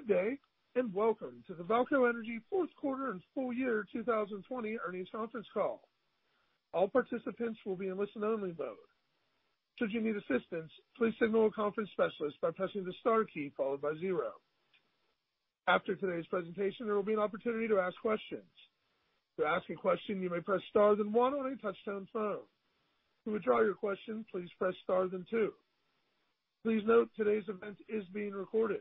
Good day, and welcome to the Vaalco Energy fourth quarter and full year 2020 earnings conference call. All participants will be in listen-only mode. Should you need assistance, please signal a conference specialist by pressing the star key followed by zero. After today's presentation, there will be an opportunity to ask questions. To ask a question, you may press star then one on your touch-tone phone. To withdraw your question, please press star then two. Please note today's event is being recorded.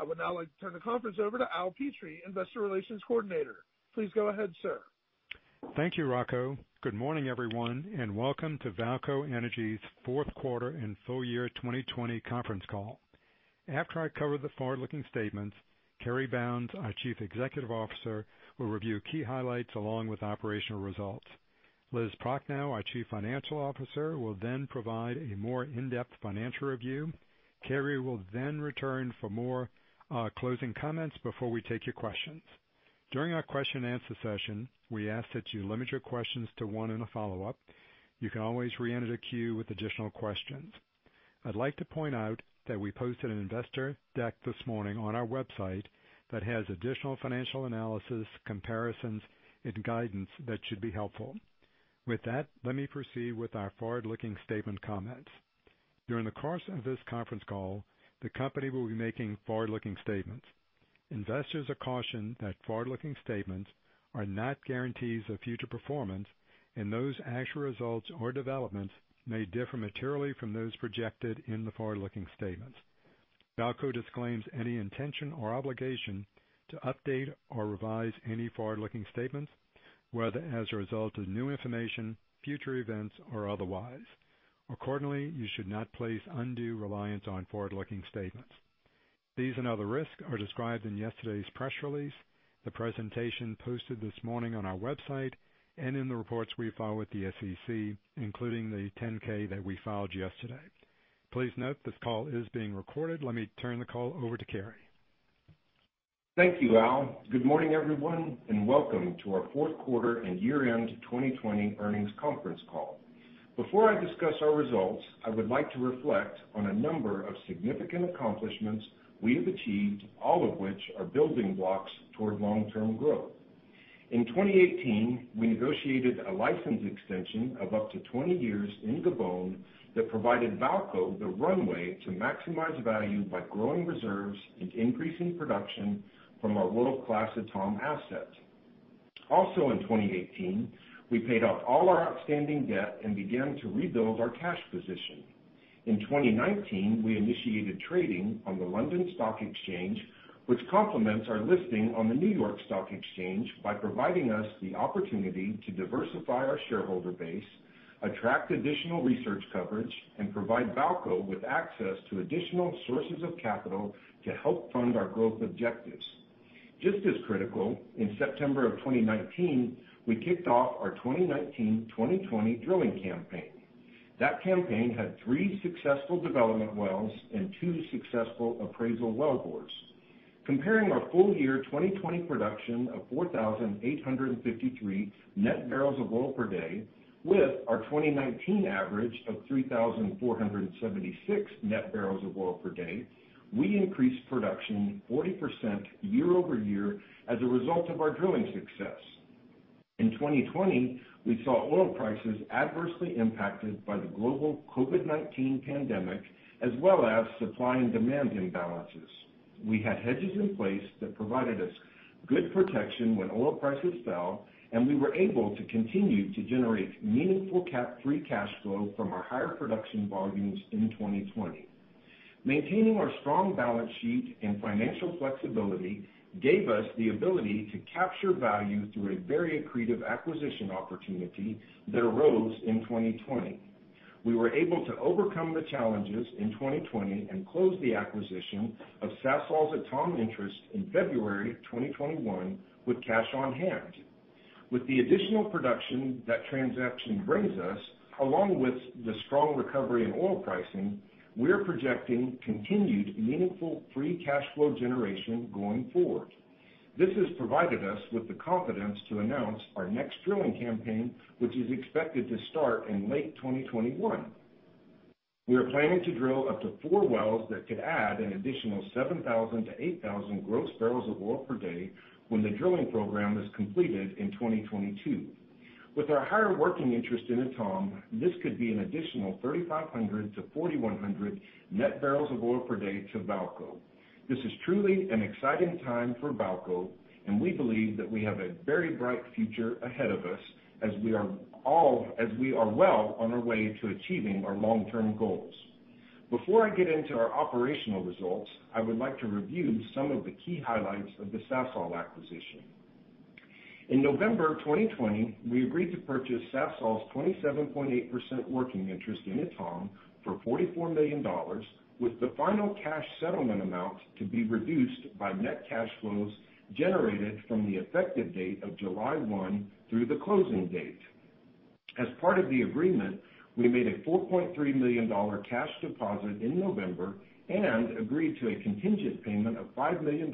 I would now like to turn the conference over to Al Petrie, Investor Relations Coordinator. Please go ahead, sir. Thank you, Rocco. Good morning, everyone, and welcome to Vaalco Energy's fourth quarter and full-year 2020 conference call. After I cover the forward-looking statements, Cary Bounds, our Chief Executive Officer, will review key highlights along with operational results. Liz Prochnow, our Chief Financial Officer, will then provide a more in-depth financial review. Cary will then return for more closing comments before we take your questions. During our question-and-answer session, we ask that you limit your questions to one and a follow-up. You can always re-enter the queue with additional questions. I'd like to point out that we posted an investor deck this morning on our website that has additional financial analysis, comparisons, and guidance that should be helpful. With that, let me proceed with our forward-looking statement comments. During the course of this conference call, the company will be making forward-looking statements. Investors are cautioned that forward-looking statements are not guarantees of future performance, and those actual results or developments may differ materially from those projected in the forward-looking statements. Vaalco disclaims any intention or obligation to update or revise any forward-looking statements, whether as a result of new information, future events, or otherwise. Accordingly, you should not place undue reliance on forward-looking statements. These and other risks are described in yesterday's press release, the presentation posted this morning on our website, and in the reports we file with the SEC, including the 10-K that we filed yesterday. Please note this call is being recorded. Let me turn the call over to Cary. Thank you, Al. Good morning, everyone, welcome to our fourth quarter and year-end 2020 earnings conference call. Before I discuss our results, I would like to reflect on a number of significant accomplishments we have achieved, all of which are building blocks toward long-term growth. In 2018, we negotiated a license extension of up to 20 years in Gabon that provided Vaalco the runway to maximize value by growing reserves and increasing production from our world-class Etame asset. Also in 2018, we paid off all our outstanding debt and began to rebuild our cash position. In 2019, we initiated trading on the London Stock Exchange, which complements our listing on the New York Stock Exchange by providing us the opportunity to diversify our shareholder base, attract additional research coverage, and provide Vaalco with access to additional sources of capital to help fund our growth objectives. Just as critical, in September of 2019, we kicked off our 2019/2020 drilling campaign. That campaign had three successful development wells and two successful appraisal well bores. Comparing our full year 2020 production of 4,853 net barrels of oil per day with our 2019 average of 3,476 net barrels of oil per day, we increased production 40% year-over-year as a result of our drilling success. In 2020, we saw oil prices adversely impacted by the global COVID-19 pandemic as well as supply and demand imbalances. We had hedges in place that provided us good protection when oil prices fell, and we were able to continue to generate meaningful cap-free cash flow from our higher production volumes in 2020. Maintaining our strong balance sheet and financial flexibility gave us the ability to capture value through a very accretive acquisition opportunity that arose in 2020. We were able to overcome the challenges in 2020 and close the acquisition of Sasol's Etame interest in February 2021 with cash on hand. With the additional production that transaction brings us, along with the strong recovery in oil pricing, we're projecting continued meaningful free cash flow generation going forward. This has provided us with the confidence to announce our next drilling campaign, which is expected to start in late 2021. We are planning to drill up to four wells that could add an additional 7,000-8,000 gross barrels of oil per day when the drilling program is completed in 2022. With our higher working interest in Etame, this could be an additional 3,500-4,100 net barrels of oil per day to Vaalco. This is truly an exciting time for Vaalco, and we believe that we have a very bright future ahead of us as we are well on our way to achieving our long-term goals. Before I get into our operational results, I would like to review some of the key highlights of the Sasol acquisition. In November 2020, we agreed to purchase Sasol's 27.8% working interest in Etame for $44 million, with the final cash settlement amount to be reduced by net cash flows generated from the effective date of July 1 through the closing date. As part of the agreement, we made a $4.3 million cash deposit in November and agreed to a contingent payment of $5 million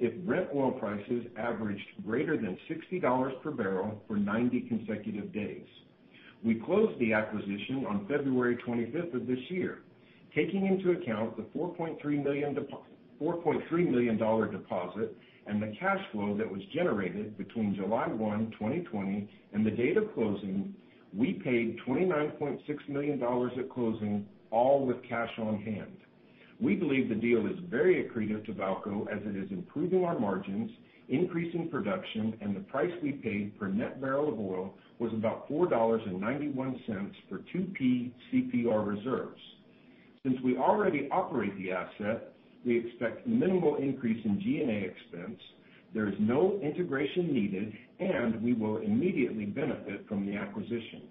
if Brent oil prices averaged greater than $60 per barrel for 90 consecutive days. We closed the acquisition on February 25th of this year. Taking into account the $4.3 million deposit and the cash flow that was generated between July 1, 2020, and the date of closing, we paid $29.6 million at closing, all with cash on hand. We believe the deal is very accretive to Vaalco as it is improving our margins, increasing production, and the price we paid per net barrel of oil was about $4.91 for 2P CPR reserves. Since we already operate the asset, we expect minimal increase in G&A expense, there is no integration needed, and we will immediately benefit from the acquisition.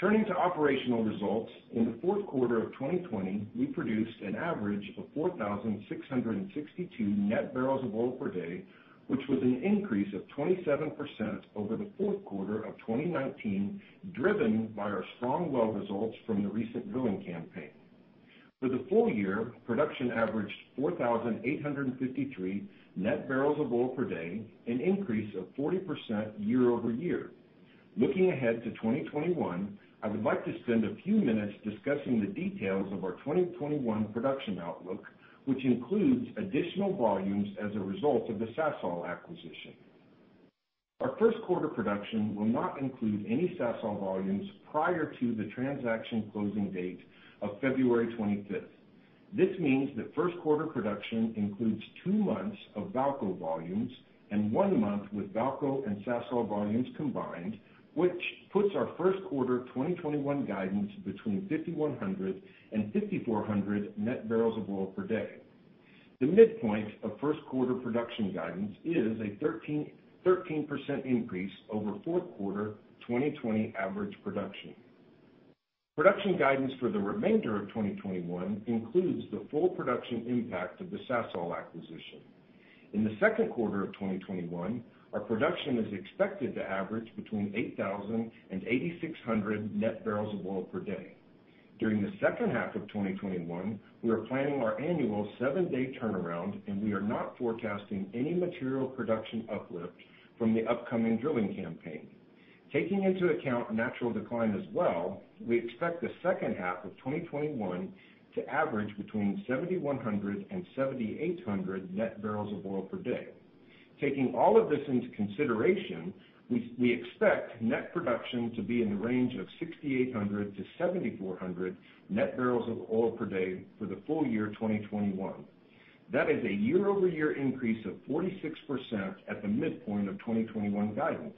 Turning to operational results. In the fourth quarter of 2020, we produced an average of 4,662 net barrels of oil per day, which was an increase of 27% over the fourth quarter of 2019, driven by our strong well results from the recent drilling campaign. For the full year, production averaged 4,853 net barrels of oil per day, an increase of 40% year-over-year. Looking ahead to 2021, I would like to spend a few minutes discussing the details of our 2021 production outlook, which includes additional volumes as a result of the Sasol acquisition. Our first quarter production will not include any Sasol volumes prior to the transaction closing date of February 25th. This means that first quarter production includes two months of Vaalco volumes and one month with Vaalco and Sasol volumes combined, which puts our first quarter 2021 guidance between 5,100 and 5,400 net barrels of oil per day. The midpoint of first quarter production guidance is a 13% increase over fourth quarter 2020 average production. Production guidance for the remainder of 2021 includes the full production impact of the Sasol acquisition. In the second quarter of 2021, our production is expected to average between 8,000 and 8,600 net barrels of oil per day. During the second half of 2021, we are planning our annual seven-day turnaround, and we are not forecasting any material production uplift from the upcoming drilling campaign. Taking into account natural decline as well, we expect the second half of 2021 to average between 7,100 and 7,800 net barrels of oil per day. Taking all of this into consideration, we expect net production to be in the range of 6,800-7,400 net barrels of oil per day for the full year 2021. That is a year-over-year increase of 46% at the midpoint of 2021 guidance.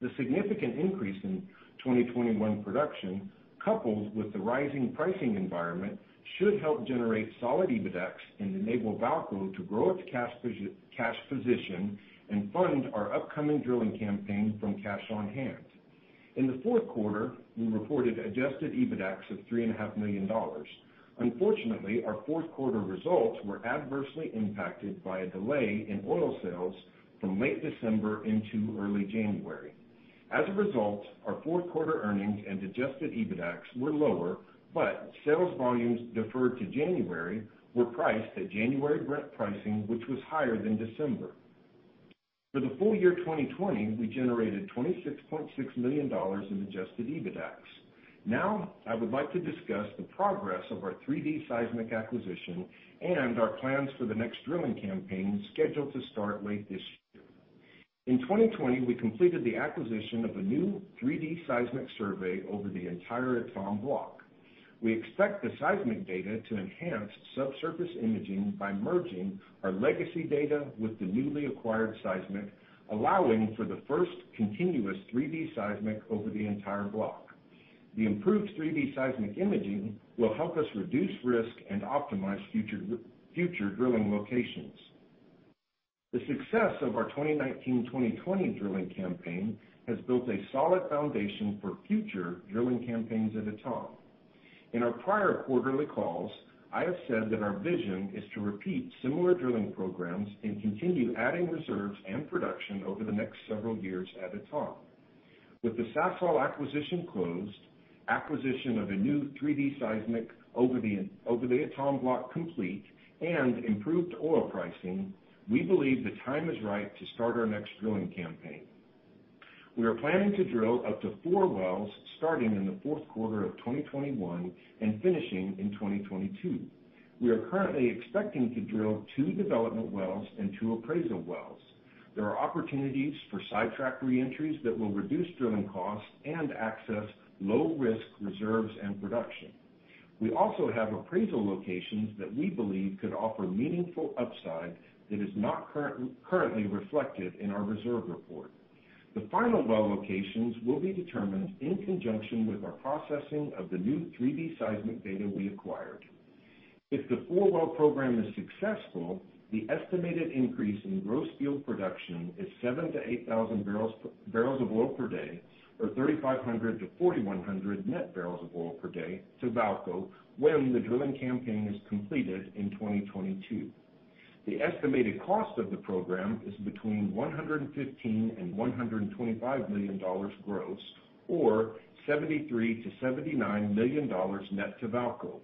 The significant increase in 2021 production, coupled with the rising pricing environment, should help generate solid EBITDAX and enable Vaalco to grow its cash position and fund our upcoming drilling campaign from cash on hand. In the fourth quarter, we reported adjusted EBITDAX of $3.5 million. Unfortunately, our fourth quarter results were adversely impacted by a delay in oil sales from late December into early January. As a result, our fourth quarter earnings and adjusted EBITDAX were lower, but sales volumes deferred to January were priced at January Brent pricing, which was higher than December. For the full year 2020, we generated $26.6 million in adjusted EBITDAX. I would like to discuss the progress of our 3-D seismic acquisition and our plans for the next drilling campaign scheduled to start late this year. In 2020, we completed the acquisition of a new 3-D seismic survey over the entire Etame block. We expect the seismic data to enhance subsurface imaging by merging our legacy data with the newly acquired seismic, allowing for the first continuous 3-D seismic over the entire block. The improved 3-D seismic imaging will help us reduce risk and optimize future drilling locations. The success of our 2019/2020 drilling campaign has built a solid foundation for future drilling campaigns at Etame. In our prior quarterly calls, I have said that our vision is to repeat similar drilling programs and continue adding reserves and production over the next several years at Etame. With the Sasol acquisition closed, acquisition of a new 3-D seismic over the Etame block complete, and improved oil pricing, we believe the time is right to start our next drilling campaign. We are planning to drill up to four wells starting in the fourth quarter of 2021 and finishing in 2022. We are currently expecting to drill two development wells and two appraisal wells. There are opportunities for sidetrack reentries that will reduce drilling costs and access low-risk reserves and production. We also have appraisal locations that we believe could offer meaningful upside that is not currently reflected in our reserve report. The final well locations will be determined in conjunction with our processing of the new 3-D seismic data we acquired. If the four-well program is successful, the estimated increase in gross field production is 7,000 BOPD-8,000 BOPD or 3,500-4,100 net barrels of oil per day to Vaalco, when the drilling campaign is completed in 2022. The estimated cost of the program is between $115 million-$125 million gross, or $73 million-$79 million net to Vaalco.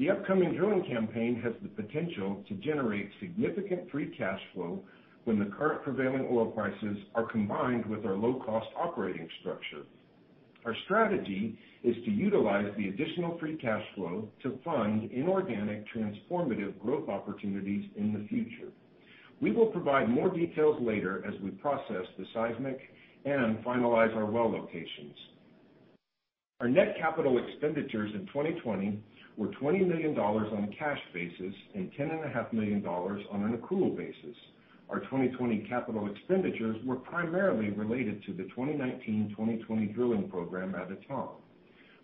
The upcoming drilling campaign has the potential to generate significant free cash flow when the current prevailing oil prices are combined with our low-cost operating structure. Our strategy is to utilize the additional free cash flow to fund inorganic transformative growth opportunities in the future. We will provide more details later as we process the seismic and finalize our well locations. Our net capital expenditures in 2020 were $20 million on a cash basis and $10.5 million on an accrual basis. Our 2020 capital expenditures were primarily related to the 2019/2020 drilling program at Etame.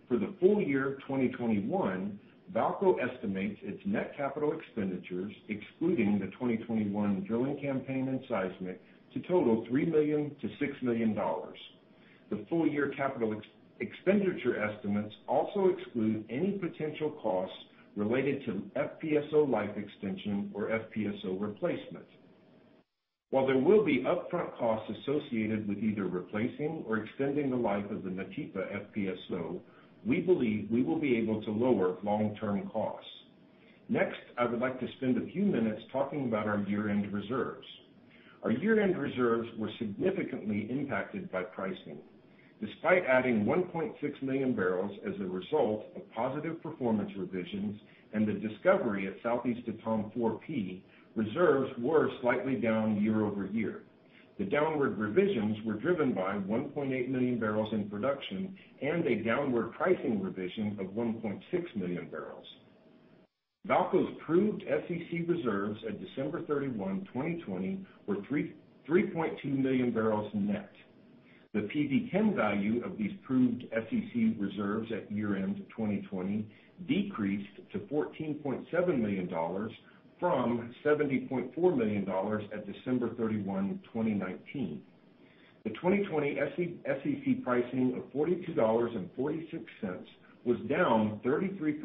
For the full year 2021, Vaalco estimates its net capital expenditures, excluding the 2021 drilling campaign and seismic, to total $3 million-$6 million. The full-year capital expenditure estimates also exclude any potential costs related to FPSO life extension or FPSO replacement. While there will be upfront costs associated with either replacing or extending the life of the Nautipa FPSO, we believe we will be able to lower long-term costs. I would like to spend a few minutes talking about our year-end reserves. Our year-end reserves were significantly impacted by pricing. Despite adding 1.6 million barrels as a result of positive performance revisions and the discovery of South East Etame 4P, reserves were slightly down year-over-year. The downward revisions were driven by 1.8 million barrels in production and a downward pricing revision of 1.6 million barrels. Vaalco's proved SEC reserves at December 31, 2020, were 3.2 million barrels net. The PV-10 value of these proved SEC reserves at year-end 2020 decreased to $14.7 million from $70.4 million at December 31, 2019. The 2020 SEC pricing of $42.46 was down 33%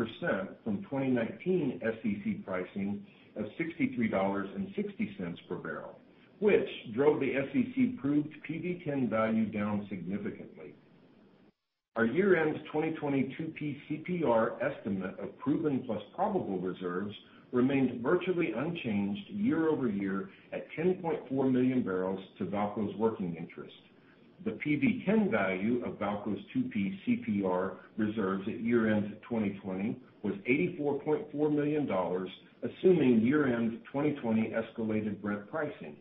from 2019 SEC pricing of $63.60 per barrel, which drove the SEC proved PV-10 value down significantly. Our year-end 2020 2P CPR estimate of proven plus probable reserves remained virtually unchanged year-over-year at 10.4 million barrels to Vaalco's working interest. The PV-10 value of Vaalco's 2P CPR reserves at year-end 2020 was $84.4 million, assuming year-end 2020 escalated Brent pricing.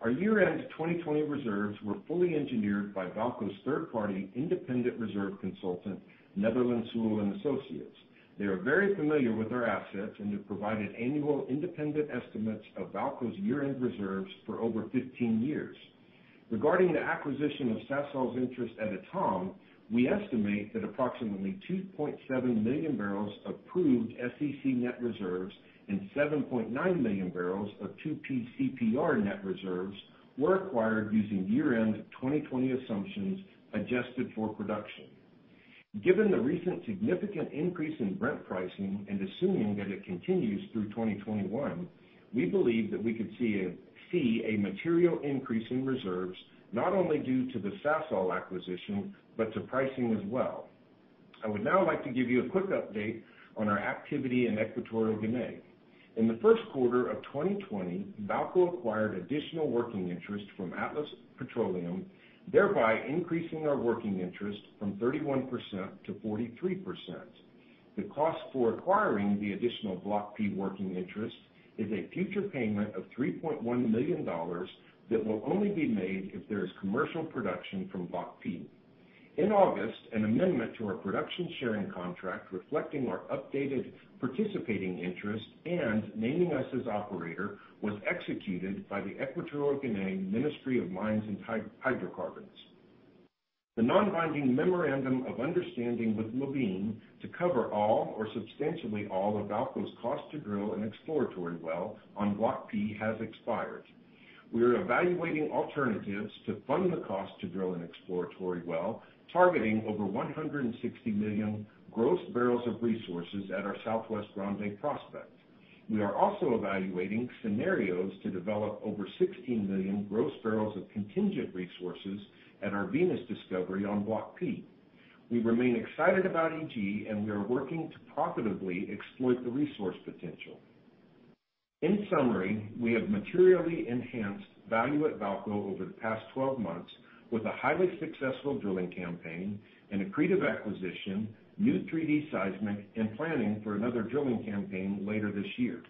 Our year-end 2020 reserves were fully engineered by Vaalco's third-party independent reserve consultant, Netherland, Sewell & Associates. They are very familiar with our assets and have provided annual independent estimates of Vaalco's year-end reserves for over 15 years. Regarding the acquisition of Sasol's interest at Etame, we estimate that approximately 2.7 million barrels of proved SEC net reserves and 7.9 million barrels of 2P CPR net reserves were acquired using year-end 2020 assumptions adjusted for production. Given the recent significant increase in Brent pricing and assuming that it continues through 2021, we believe that we could see a material increase in reserves, not only due to the Sasol acquisition, but to pricing as well. I would now like to give you a quick update on our activity in Equatorial Guinea. In the first quarter of 2020, Vaalco acquired additional working interest from Atlas Petroleum, thereby increasing our working interest from 31% to 43%. The cost for acquiring the additional Block P working interest is a future payment of $3.1 million that will only be made if there is commercial production from Block P. In August, an amendment to our production sharing contract reflecting our updated participating interest and naming us as operator was executed by the Equatorial Guinea Ministry of Mines and Hydrocarbons. The non-binding memorandum of understanding with Levene to cover all or substantially all of Vaalco's cost to drill an exploratory well on Block P has expired. We are evaluating alternatives to fund the cost to drill an exploratory well targeting over 160 million gross barrels of resources at our Southwest Grande prospect. We are also evaluating scenarios to develop over 16 million gross barrels of contingent resources at our Venus discovery on Block P. We remain excited about EG, and we are working to profitably exploit the resource potential. In summary, we have materially enhanced value at Vaalco over the past 12 months with a highly successful drilling campaign, an accretive acquisition, new 3-D seismic, and planning for another drilling campaign later this year.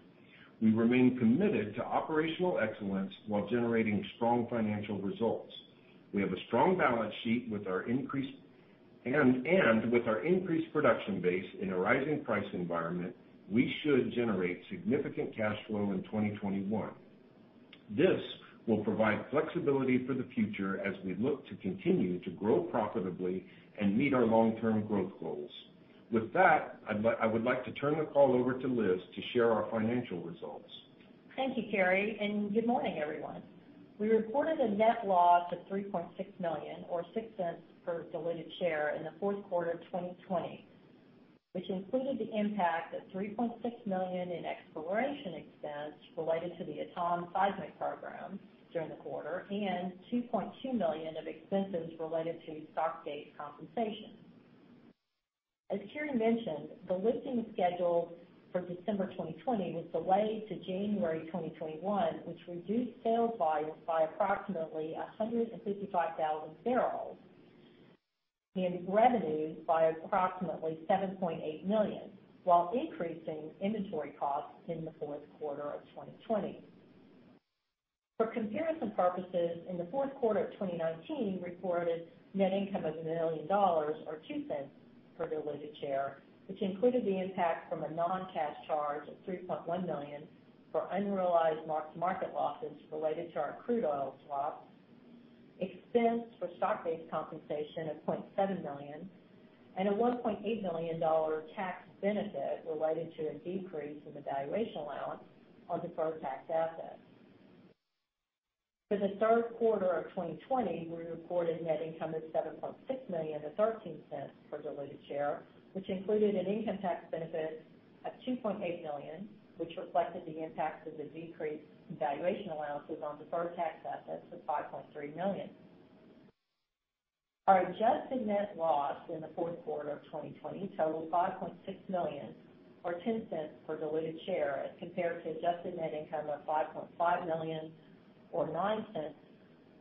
We remain committed to operational excellence while generating strong financial results. We have a strong balance sheet, and with our increased production base in a rising price environment, we should generate significant cash flow in 2021. This will provide flexibility for the future as we look to continue to grow profitably and meet our long-term growth goals. With that, I would like to turn the call over to Liz to share our financial results. Thank you, Cary. Good morning, everyone. We reported a net loss of $3.6 million or $0.06 per diluted share in the fourth quarter of 2020, which included the impact of $3.6 million in exploration expense related to the Etame seismic program during the quarter and $2.2 million of expenses related to stock-based compensation. As Cary mentioned, the lifting schedule for December 2020 was delayed to January 2021, which reduced sales volumes by approximately 155,000 bbl and revenues by approximately $7.8 million, while increasing inventory costs in the fourth quarter of 2020. For comparison purposes, in the fourth quarter of 2019, we recorded net income of $1 million, or $0.02 per diluted share, which included the impact from a non-cash charge of $3.1 million for unrealized mark-to-market losses related to our crude oil swap, expense for stock-based compensation of $0.7 million, and a $1.8 million tax benefit related to a decrease in the valuation allowance on deferred tax assets. For the third quarter of 2020, we reported net income of $7.6 million to $0.13 per diluted share, which included an income tax benefit of $2.8 million, which reflected the impact of the decreased valuation allowances on deferred tax assets of $5.3 million. Our adjusted net loss in the fourth quarter of 2020 totaled $5.6 million, or $0.10 per diluted share, as compared to adjusted net income of $5.5 million or $0.09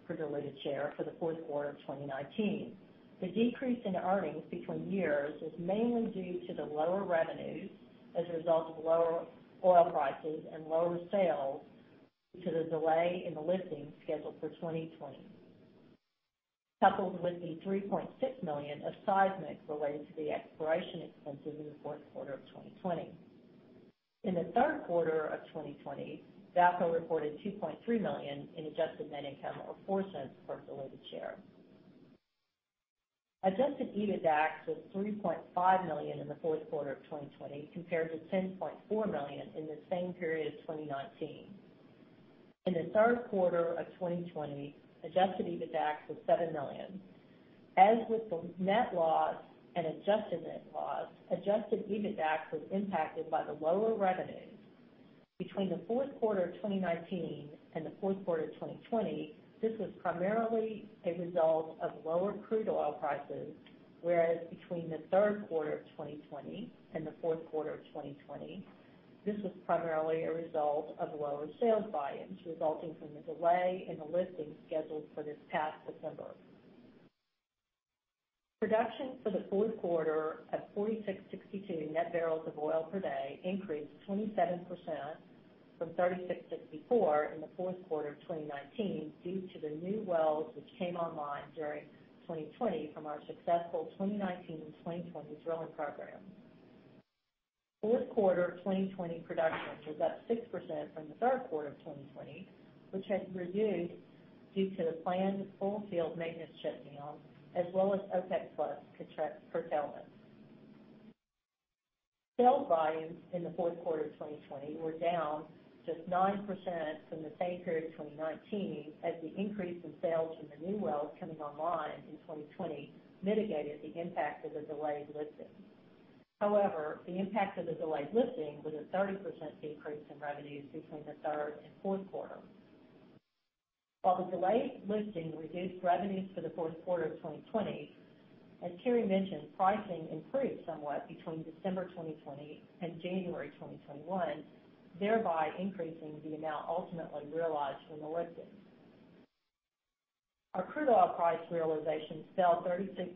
per diluted share for the fourth quarter of 2019. The decrease in earnings between years was mainly due to the lower revenues as a result of lower oil prices and lower sales due to the delay in the lifting schedule for 2020, coupled with the $3.6 million of seismic related to the exploration expenses in the fourth quarter of 2020. In the third quarter of 2020, Vaalco reported $2.3 million in adjusted net income, or $0.04 per diluted share. Adjusted EBITDA was $3.5 million in the fourth quarter of 2020, compared to $10.4 million in the same period of 2019. In the third quarter of 2020, adjusted EBITDA was $7 million. As with the net loss and adjusted net loss, adjusted EBITDA was impacted by the lower revenues between the fourth quarter of 2019 and the fourth quarter of 2020. This was primarily a result of lower crude oil prices, whereas between the third quarter of 2020 and the fourth quarter of 2020, this was primarily a result of lower sales volumes resulting from the delay in the lifting scheduled for this past December. Production for the fourth quarter at 4,662 net barrels of oil per day increased 27% from 3,664 net barrels of oil per day in the fourth quarter of 2019 due to the new wells which came online during 2020 from our successful 2019-2020 drilling program. Fourth quarter 2020 production was up 6% from the third quarter of 2020, which had reduced due to the planned full field maintenance shutdown, as well as OPEC+ contract fulfillment. Sales volumes in the fourth quarter of 2020 were down just 9% from the same period in 2019, as the increase in sales from the new wells coming online in 2020 mitigated the impact of the delayed lifting. The impact of the delayed lifting was a 30% decrease in revenues between the third and fourth quarter. While the delayed lifting reduced revenues for the fourth quarter of 2020, as Cary mentioned, pricing improved somewhat between December 2020 and January 2021, thereby increasing the amount ultimately realized from the lifting. Our crude oil price realization fell 36%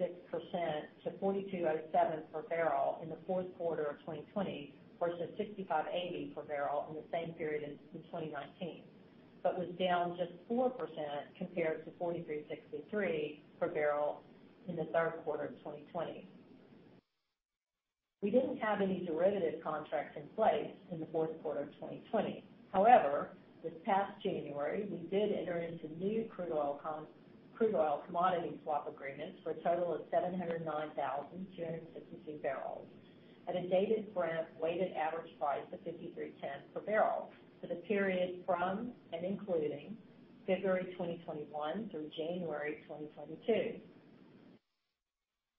to $42.07 per barrel in the fourth quarter of 2020, versus $65.80 per barrel in the same period in 2019, but was down just 4% compared to $43.63 per barrel in the third quarter of 2020. We didn't have any derivative contracts in place in the fourth quarter of 2020. However, this past January, we did enter into new crude oil commodity swap agreements for a total of 709,262 bbl at a dated Brent weighted average price of $53.10 per barrel for the period from and including February 2021 through January 2022.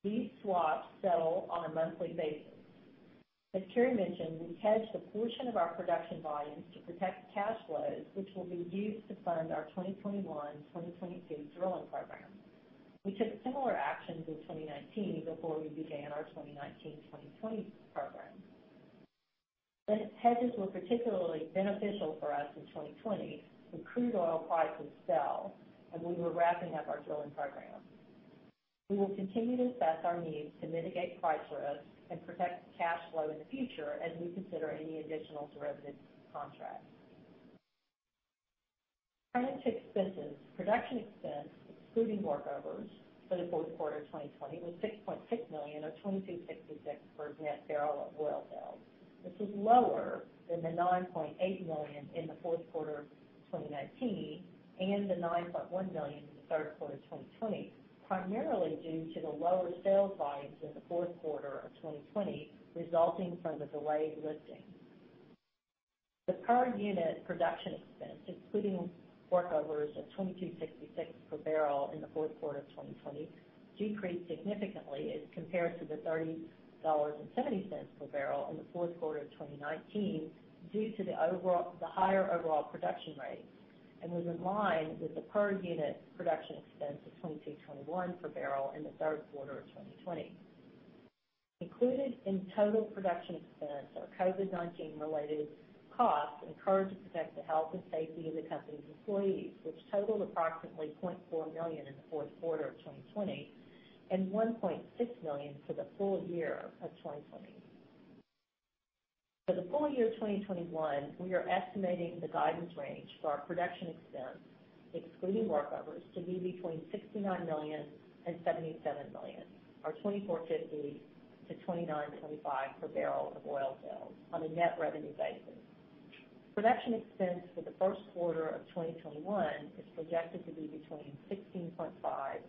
These swaps settle on a monthly basis. As Cary mentioned, we hedged a portion of our production volumes to protect cash flows, which will be used to fund our 2021-2022 drilling program. We took similar actions in 2019 before we began our 2019-2020 program. The hedges were particularly beneficial for us in 2020 when crude oil prices fell and we were wrapping up our drilling program. We will continue to assess our needs to mitigate price risks and protect cash flow in the future as we consider any additional derivative contracts. Turning to expenses. Production expense, excluding workovers for the fourth quarter 2020, was $6.6 million or $22.66 per net barrel of oil sales. This was lower than the $9.8 million in the fourth quarter of 2019 and the $9.1 million in the third quarter of 2020, primarily due to the lower sales volumes in the fourth quarter of 2020 resulting from the delayed lifting. The per-unit production expense, including workovers of $22.66 per barrel in the fourth quarter of 2020, decreased significantly as compared to the $34.70 per barrel in the fourth quarter of 2019 due to the higher overall production rates, and was in line with the per unit production expense of $22.21 per barrel in the third quarter of 2020. Included in total production expense are COVID-19 related costs incurred to protect the health and safety of the company's employees, which totaled approximately $0.4 million in the fourth quarter of 2020, and $1.6 million for the full year of 2020. For the full year of 2021, we are estimating the guidance range for our production expense, excluding workovers, to be between $69 million and $77 million, or $24.50-$29.25 per barrel of oil sales on a net revenue basis. Production expense for the first quarter of 2021 is projected to be between $16.5 million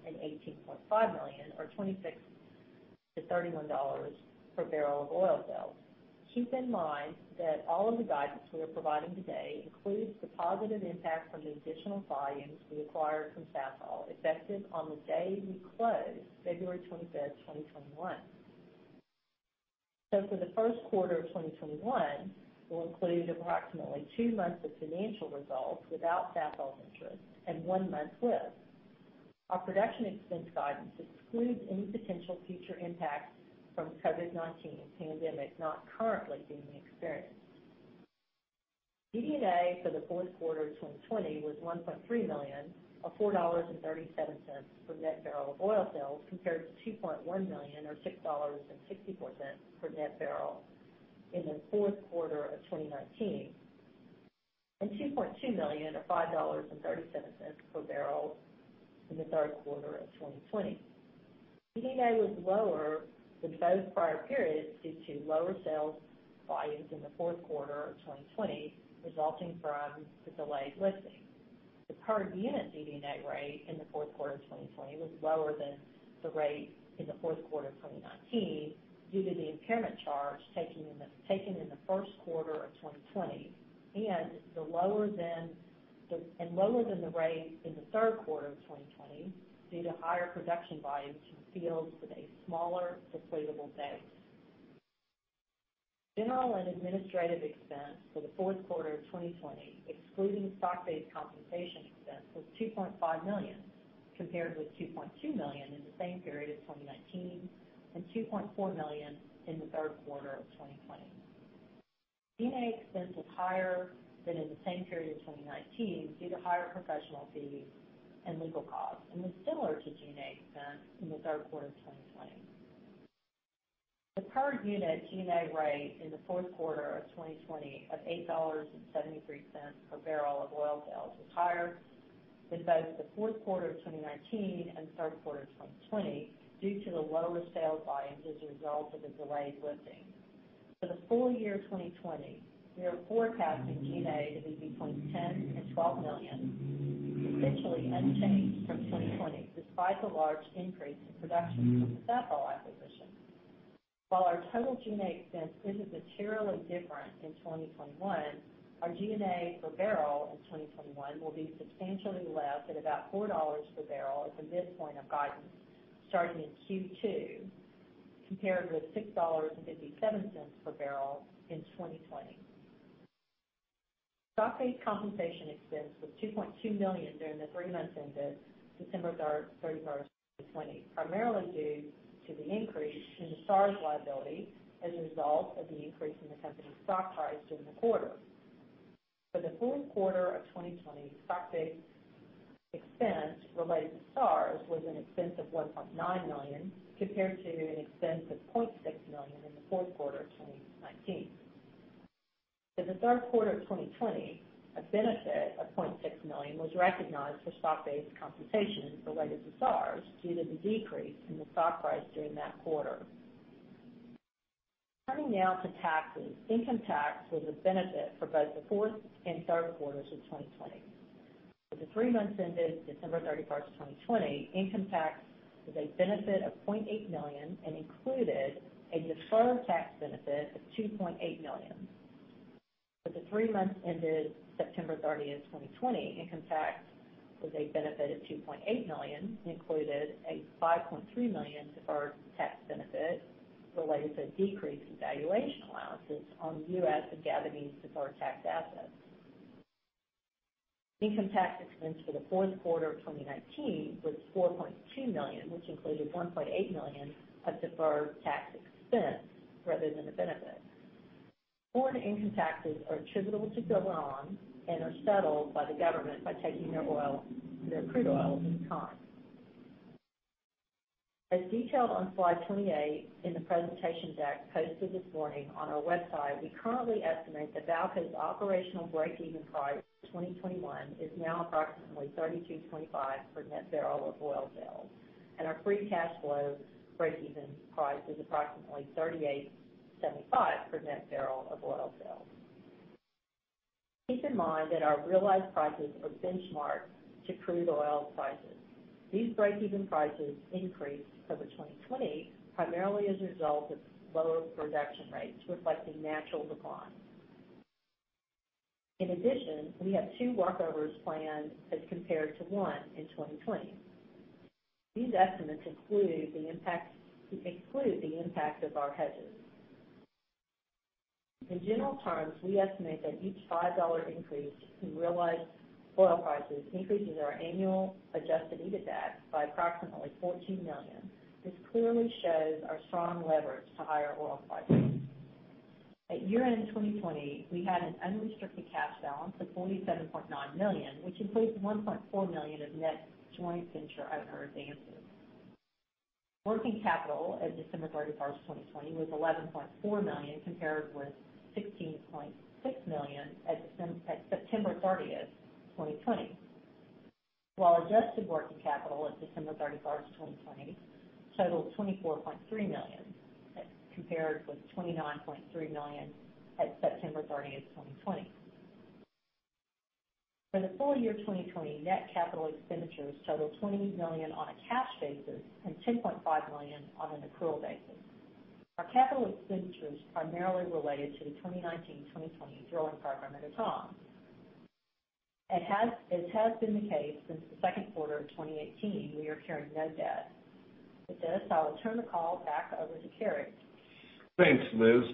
and $18.5 million, or $26-$31 per barrel of oil sales. Keep in mind that all of the guidance we are providing today includes the positive impact from the additional volumes we acquired from Sasol, effective on the day we closed, February 25th, 2021. For the first quarter of 2021, we'll include approximately two months of financial results without Sasol interest and one month with. Our production expense guidance excludes any potential future impacts from COVID-19 pandemic not currently being experienced. DD&A for the fourth quarter of 2020 was $1.3 million, or $4.37 per net barrel of oil sales, compared to $2.1 million or $6.64 per net barrel in the fourth quarter of 2019, and $2.2 million or $5.37 per barrel in the third quarter of 2020. DD&A was lower than both prior periods due to lower sales volumes in the fourth quarter of 2020, resulting from the delayed lifting. The per unit DD&A rate in the fourth quarter of 2020 was lower than the rate in the fourth quarter of 2019 due to the impairment charge taken in the first quarter of 2020, and lower than the rate in the third quarter of 2020 due to higher production volumes from fields with a smaller depletable base. General and administrative expense for the fourth quarter of 2020, excluding stock-based compensation expense, was $2.5 million, compared with $2.2 million in the same period of 2019 and $2.4 million in the third quarter of 2020. G&A expense was higher than in the same period in 2019 due to higher professional fees and legal costs, and was similar to G&A expense in the third quarter of 2020. The per unit G&A rate in the fourth quarter of 2020 of $8.73 per barrel of oil sales was higher than both the fourth quarter of 2019 and third quarter of 2020 due to the lower sales volumes as a result of the delayed listing. For the full year of 2020, we are forecasting G&A to be between $10 million and $12 million, essentially unchanged from 2020, despite the large increase in production from the Sasol acquisition. While our total G&A expense isn't materially different in 2021, our G& \A per barrel in 2021 will be substantially less at about $4 per barrel at the midpoint of guidance starting in Q2, compared with $6.57 per barrel in 2020. Stock-based compensation expense was $2.2 million during the three months ended December 31st of 2020, primarily due to the increase in the SARs liability as a result of the increase in the company's stock price during the quarter. For the fourth quarter of 2020, stock-based expense related to SARs was an expense of $1.9 million, compared to an expense of $0.6 million in the fourth quarter of 2019. In the third quarter of 2020, a benefit of $0.6 million was recognized for stock-based compensation related to SARs due to the decrease in the stock price during that quarter. Turning now to taxes. Income tax was a benefit for both the fourth and third quarters of 2020. For the three months ended December 31st, 2020, income tax was a benefit of $0.8 million and included a deferred tax benefit of $2.8 million. For the three months ended September 30th, 2020, income tax was a benefit of $2.8 million and included a $5.3 million deferred tax benefit related to a decrease in valuation allowances on U.S. and Gabonese deferred tax assets. Income tax expense for the fourth quarter of 2019 was $4.2 million, which included $1.8 million of deferred tax expense rather than a benefit. Foreign income taxes are attributable to Gabon and are settled by the government by taking their crude oil in kind. As detailed on slide 28 in the presentation deck posted this morning on our website, we currently estimate that Vaalco's operational breakeven price for 2021 is now approximately $32.25 per net barrel of oil sales, and our free cash flow breakeven price is approximately $38.75 per net barrel of oil sales. Keep in mind that our realized prices are benchmarked to crude oil prices. These breakeven prices increased over 2020, primarily as a result of lower production rates reflecting natural decline. In addition, we have two workovers planned as compared to one in 2020. These estimates include the impact of our hedges. In general terms, we estimate that each $5 increase in realized oil prices increases our annual adjusted EBITDA by approximately $14 million. This clearly shows our strong leverage to higher oil prices. At year-end 2020, we had an unrestricted cash balance of $47.9 million, which includes $1.4 million of net joint venture other advances. Working capital at December 31st, 2020, was $11.4 million, compared with $16.6 million at September 30th, 2020. While adjusted working capital at December 31st, 2020, totaled $24.3 million as compared with $29.3 million at September 30th, 2020. For the full year 2020, net capital expenditures totaled $20 million on a cash basis and $10.5 million on an accrual basis. Our capital expenditures primarily related to the 2019-2020 drilling program at Etame. As has been the case since the second quarter of 2018, we are carrying no debt. With this, I will turn the call back over to Cary. Thanks, Liz.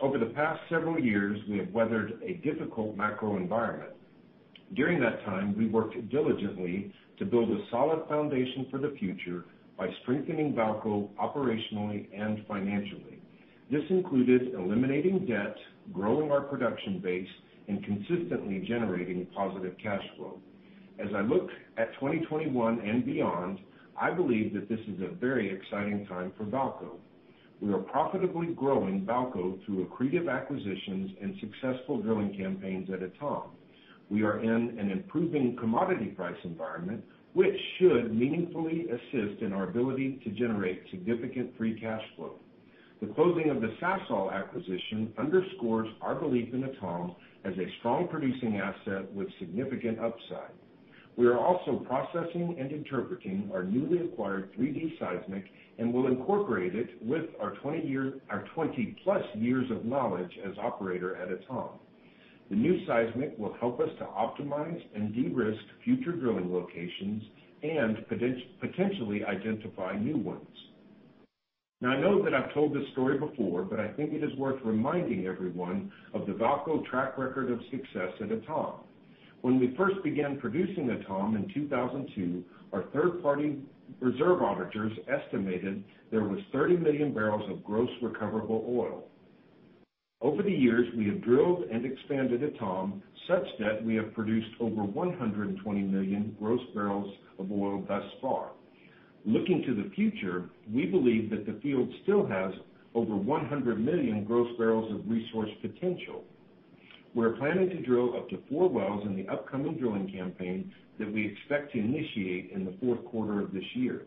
Over the past several years, we have weathered a difficult macro environment. During that time, we worked diligently to build a solid foundation for the future by strengthening Vaalco operationally and financially. This included eliminating debt, growing our production base, and consistently generating positive cash flow. As I look at 2021 and beyond, I believe that this is a very exciting time for Vaalco. We are profitably growing Vaalco through accretive acquisitions and successful drilling campaigns at Etame. We are in an improving commodity price environment, which should meaningfully assist in our ability to generate significant free cash flow. The closing of the Sasol acquisition underscores our belief in Etame as a strong producing asset with significant upside. We are also processing and interpreting our newly acquired 3-D seismic and will incorporate it with our 20+ years of knowledge as operator at Etame. The new seismic will help us to optimize and de-risk future drilling locations and potentially identify new ones. I know that I've told this story before, but I think it is worth reminding everyone of the Vaalco track record of success at Etame. When we first began producing Etame in 2002, our third-party reserve auditors estimated there was 30 million barrels of gross recoverable oil. Over the years, we have drilled and expanded Etame such that we have produced over 120 million gross barrels of oil thus far. Looking to the future, we believe that the field still has over 100 million gross barrels of resource potential. We're planning to drill up to four wells in the upcoming drilling campaign that we expect to initiate in the fourth quarter of this year.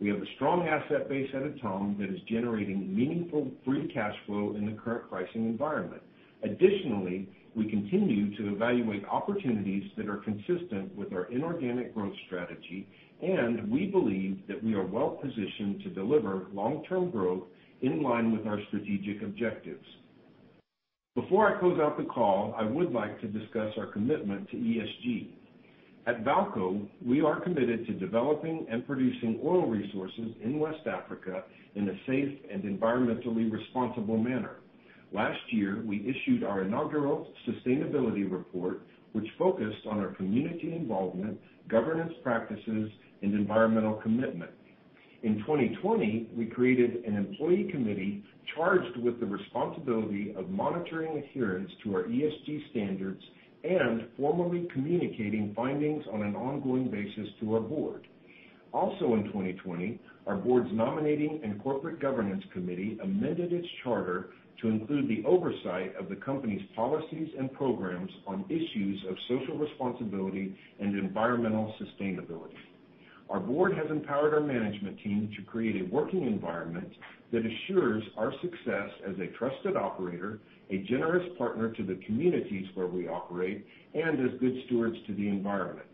We have a strong asset base at Etame that is generating meaningful free cash flow in the current pricing environment. Additionally, we continue to evaluate opportunities that are consistent with our inorganic growth strategy, and we believe that we are well-positioned to deliver long-term growth in line with our strategic objectives. Before I close out the call, I would like to discuss our commitment to ESG. At Vaalco, we are committed to developing and producing oil resources in West Africa in a safe and environmentally responsible manner. Last year, we issued our inaugural sustainability report, which focused on our community involvement, governance practices, and environmental commitment. In 2020, we created an employee committee charged with the responsibility of monitoring adherence to our ESG standards and formally communicating findings on an ongoing basis to our Board. Also in 2020, our Board's nominating and corporate governance committee amended its charter to include the oversight of the company's policies and programs on issues of social responsibility and environmental sustainability. Our Board has empowered our management team to create a working environment that assures our success as a trusted operator, a generous partner to the communities where we operate, and as good stewards to the environment.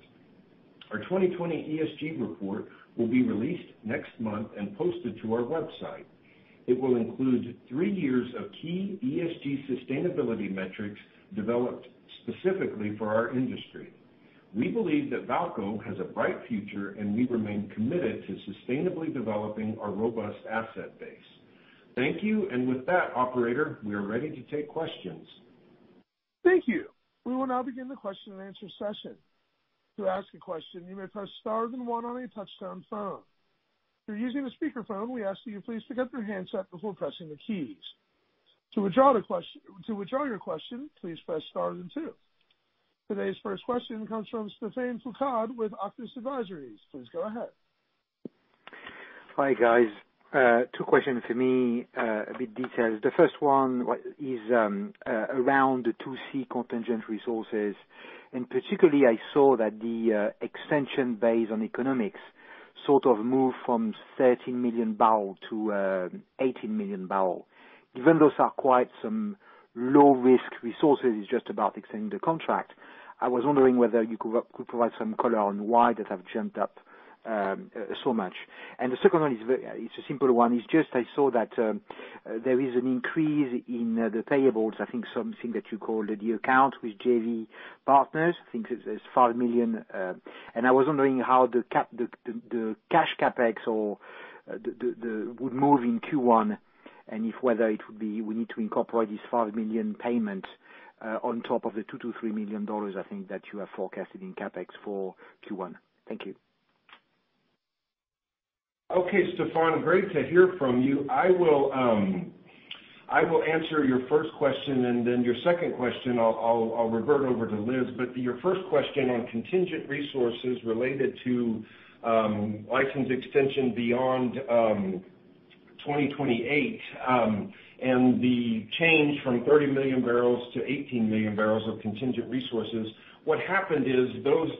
Our 2020 ESG report will be released next month and posted to our website. It will include three years of key ESG sustainability metrics developed specifically for our industry. We believe that Vaalco has a bright future, and we remain committed to sustainably developing our robust asset base. Thank you. With that operator, we are ready to take questions. Thank you. We will now begin the question-and-answer session. To ask a question, you may press star then one on a touchtone phone. If you're using a speakerphone, we ask that you please pick up your handset before pressing the keys. To withdraw your question, please press star then two. Today's first question comes from Stephane Foucaud with Auctus Advisors. Please go ahead. Hi, guys. Two questions for me, a bit detailed. The first one is around the 2C contingent resources, particularly I saw that the extension based on economics sort of moved from 13 million barrel to 18 million barrel. Even those are quite some low-risk resources, it's just about extending the contract. I was wondering whether you could provide some color on why that has jumped up so much. The second one is a simple one. It's just I saw that there is an increase in the payables, I think something that you call the account with JV partners. I think there's $5 million. I was wondering how the cash CapEx would move in Q1, and if whether it would be, we need to incorporate this $5 million payment on top of the $2 million-$3 million, I think, that you have forecasted in CapEx for Q1. Thank you. Okay, Stephane. Great to hear from you. I will answer your first question and then your second question, I'll revert over to Liz. Your first question on contingent resources related to license extension beyond 2028, and the change from 30 million barrels to 18 million barrels of contingent resources. What happened is,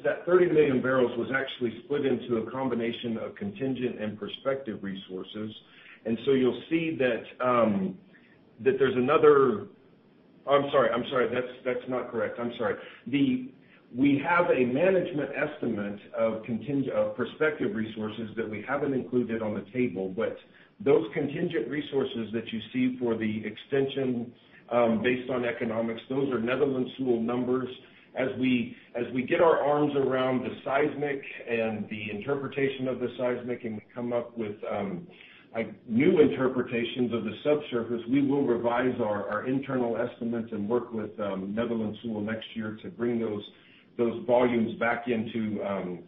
that 30 million barrels was actually split into a combination of contingent and prospective resources. You'll see that there's another I'm sorry. That's not correct. I'm sorry. We have a management estimate of prospective resources that we haven't included on the table, but those contingent resources that you see for the extension, based on economics, those are Netherland, Sewell numbers. As we get our arms around the seismic and the interpretation of the seismic and we come up with new interpretations of the subsurface, we will revise our internal estimates and work with Netherland, Sewell next year to bring those volumes back into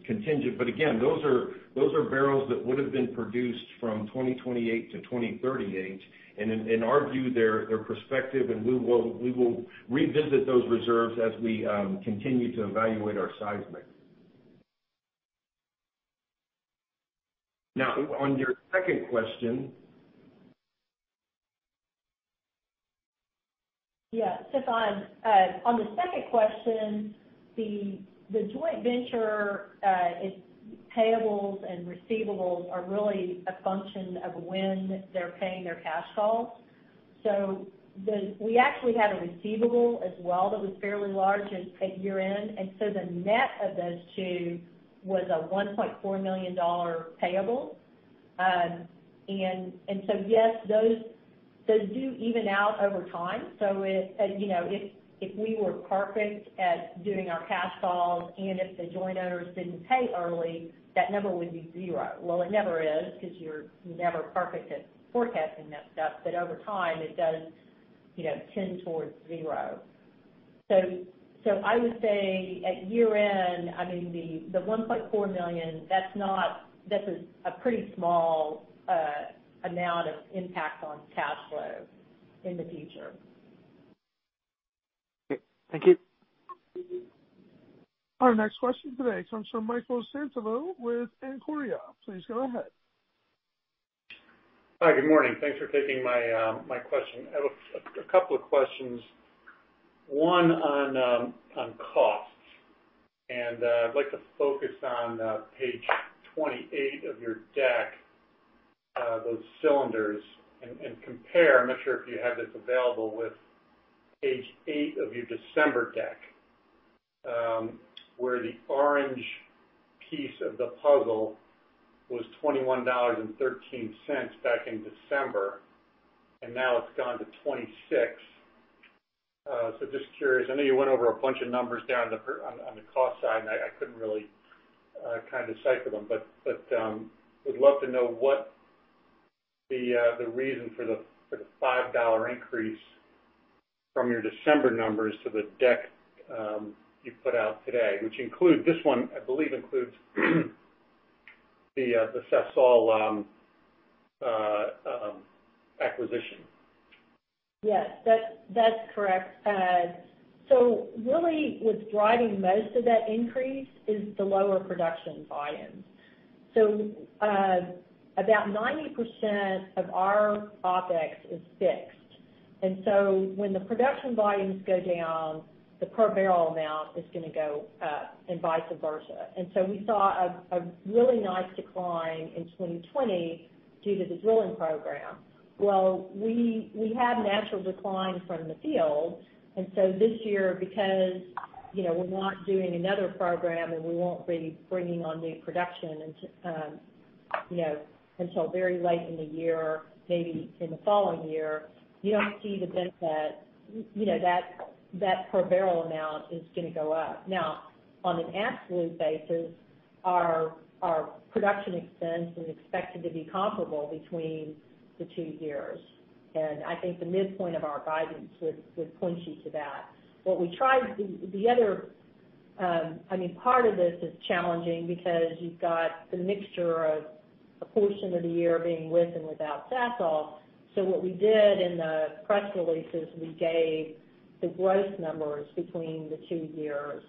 contingent. Again, those are barrels that would have been produced from 2028 to 2038, and in our view, they're prospective, and we will revisit those reserves as we continue to evaluate our seismic. On your second question. Yeah, Stephane, on the second question, the joint venture, its payables and receivables are really a function of when they're paying their cash calls. We actually had a receivable as well that was fairly large at year-end, and so the net of those two was a $1.4 million payable. Yes, those do even out over time. If we were perfect at doing our cash calls and if the joint owners didn't pay early, that number would be zero. Well, it never is, because you're never perfect at forecasting that stuff. Over time, it does tend towards zero. I would say at year-end, the $1.4 million, that's a pretty small amount of impact on cash flow in the future. Okay. Thank you. Our next question today comes from Michael Santavo with Ancoria. Please go ahead. Hi, good morning. Thanks for taking my question. I have a couple of questions. One on costs. I'd like to focus on page 28 of your deck, those cylinders, and compare, I'm not sure if you have this available, with page eight of your December deck, where the orange piece of the puzzle was $21.13 back in December. Now it's gone to $26. Just curious, I know you went over a bunch of numbers down on the cost side, and I couldn't really decipher them, but would love to know what the reason for the $5 increase from your December numbers to the deck you put out today, which this one, I believe, includes the Sasol acquisition. Yes. That's correct. Really what's driving most of that increase is the lower production volumes. About 90% of our OpEx is fixed, when the production volumes go down, the per barrel amount is going to go up and vice versa. We saw a really nice decline in 2020 due to the drilling program. Well, we had natural decline from the field, this year, because we're not doing another program, and we won't be bringing on new production until very late in the year, maybe in the following year, you don't see the benefit. That per barrel amount is going to go up. Now, on an absolute basis, our production expense is expected to be comparable between the two years, and I think the midpoint of our guidance would point you to that. Part of this is challenging because you've got the mixture of a portion of the year being with and without Sasol. What we did in the press release is we gave the gross numbers between the two years,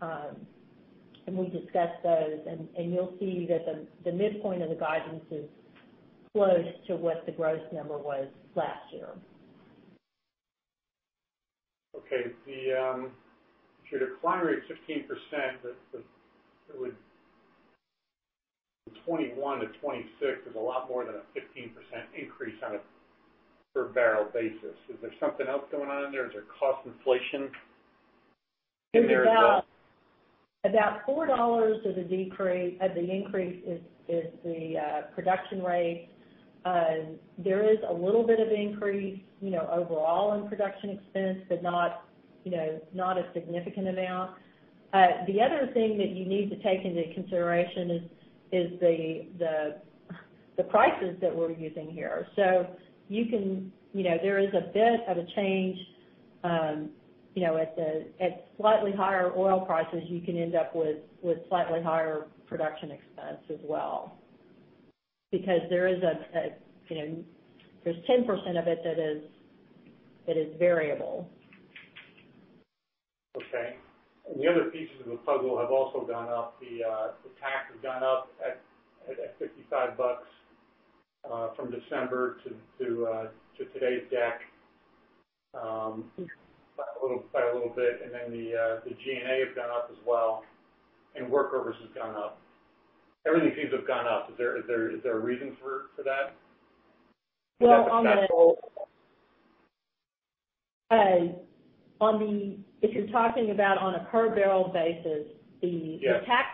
and we discussed those, and you'll see that the midpoint of the guidance is close to what the gross number was last year. Okay. Your decline rate of 15% 2021-2026 is a lot more than a 15% increase on a per barrel basis. Is there something else going on there? Is there cost inflation compared to- It's about $4 of the increase is the production rate. There is a little bit of increase overall in production expense, but not a significant amount. The other thing that you need to take into consideration is the prices that we're using here. There is a bit of a change. At slightly higher oil prices, you can end up with slightly higher production expense as well, because there's 10% of it that is variable. Okay. The other pieces of the puzzle have also gone up. The tax has gone up at $55 from December to today's deck by a little bit, and then the G&A has gone up as well, and workovers has gone up. Everything seems to have gone up. Is there a reason for that? If you're talking about on a per barrel basis. Yes The tax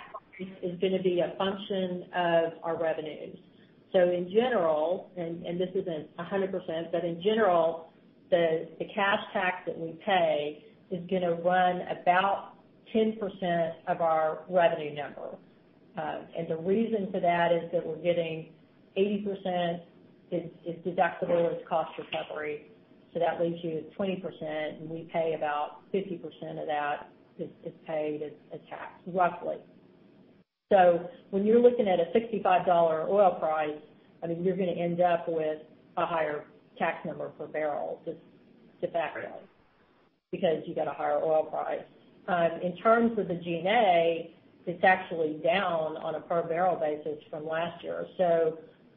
is going to be a function of our revenues. In general, and this isn't 100%, but in general, the cash tax that we pay is going to run about 10% of our revenue number. The reason for that is that we're getting 80% is deductible, it's cost recovery. That leaves you with 20%, and we pay about 50% of that is paid as tax, roughly. When you're looking at a $65 oil price, you're going to end up with a higher tax number per barrel, just de facto, because you've got a higher oil price. In terms of the G&A, it's actually down on a per barrel basis from last year.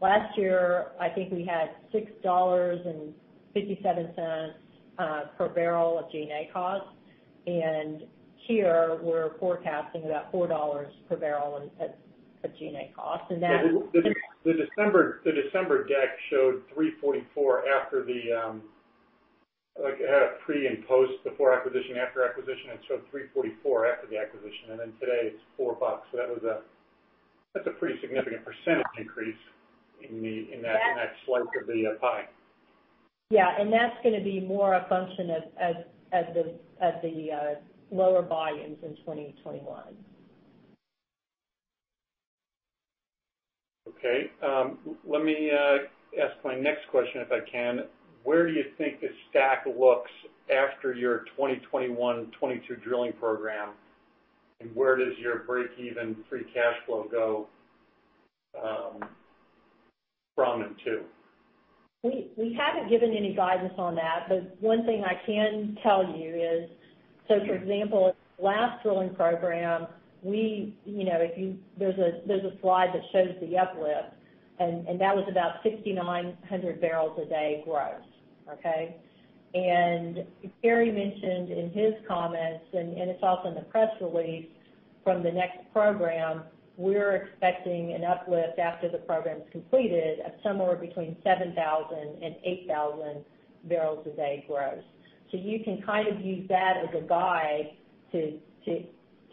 Last year, I think we had $6.57 per barrel of G&A cost, and here we're forecasting about $4 per barrel at G&A cost. The December deck showed $3.44. It had a pre and post, before acquisition, after acquisition. Today it's $4. That's a pretty significant percent increase in that slice of the pie. Yeah. That's going to be more a function of the lower volumes in 2021. Okay. Let me ask my next question, if I can. Where do you think the stack looks after your 2021 and 2022 drilling program, and where does your breakeven free cash flow go from and to? We haven't given any guidance on that, but one thing I can tell you is, so for example, last drilling program, there's a slide that shows the uplift, and that was about 6,900 bpd growth. Okay? Cary mentioned in his comments, and it's also in the press release from the next program, we're expecting an uplift after the program's completed of somewhere between 7,000 bpd and 8,000 bpd growth. You can use that as a guide to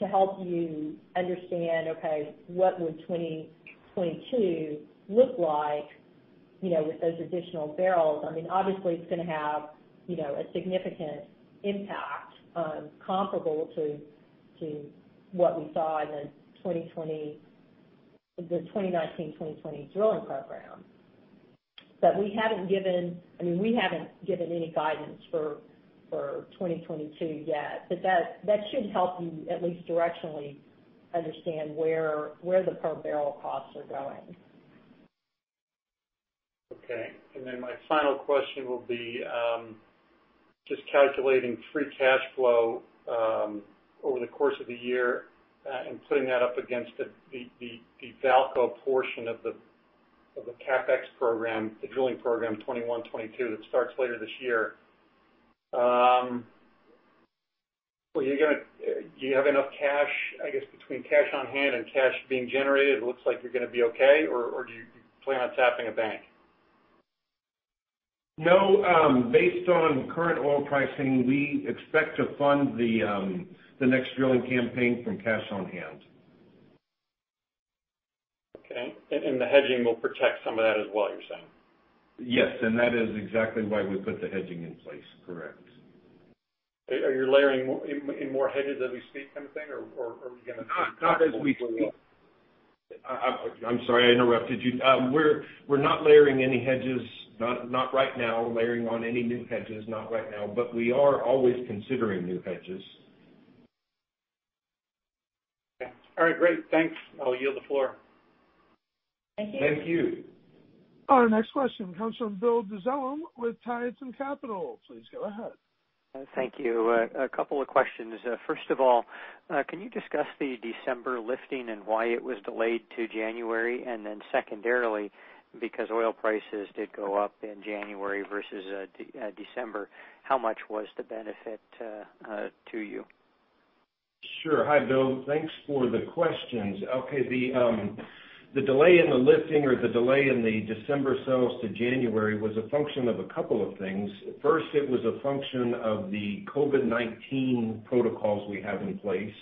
help you understand, okay, what would 2022 look like with those additional barrels? Obviously, it's going to have a significant impact comparable to what we saw in the 2019-2020 drilling program. We haven't given any guidance for 2022 yet. That should help you at least directionally understand where the per barrel costs are going. Okay. My final question will be just calculating free cash flow over the course of the year and putting that up against the Vaalco portion of the CapEx program, the drilling program 2021, 2022, that starts later this year. Do you have enough cash, I guess, between cash on hand and cash being generated, it looks like you're going to be okay, or do you plan on tapping a bank? No. Based on current oil pricing, we expect to fund the next drilling campaign from cash on hand. Okay. The hedging will protect some of that as well, you're saying? Yes. That is exactly why we put the hedging in place. Correct. Are you layering in more hedges as we speak kind of thing? Are we going to? Not as we speak. I'm sorry I interrupted you. We're not layering any hedges, not right now layering on any new hedges. Not right now, but we are always considering new hedges. Okay. All right. Great. Thanks. I'll yield the floor. Thank you. Thank you. Our next question comes from Bill Dezellem with Tieton Capital. Please go ahead. Thank you. A couple of questions. First of all, can you discuss the December lifting and why it was delayed to January? Secondarily, because oil prices did go up in January versus December, how much was the benefit to you? Sure. Hi, Bill. Thanks for the questions. Okay. The delay in the lifting or the delay in the December sales to January was a function of a couple of things. First, it was a function of the COVID-19 protocols we have in place.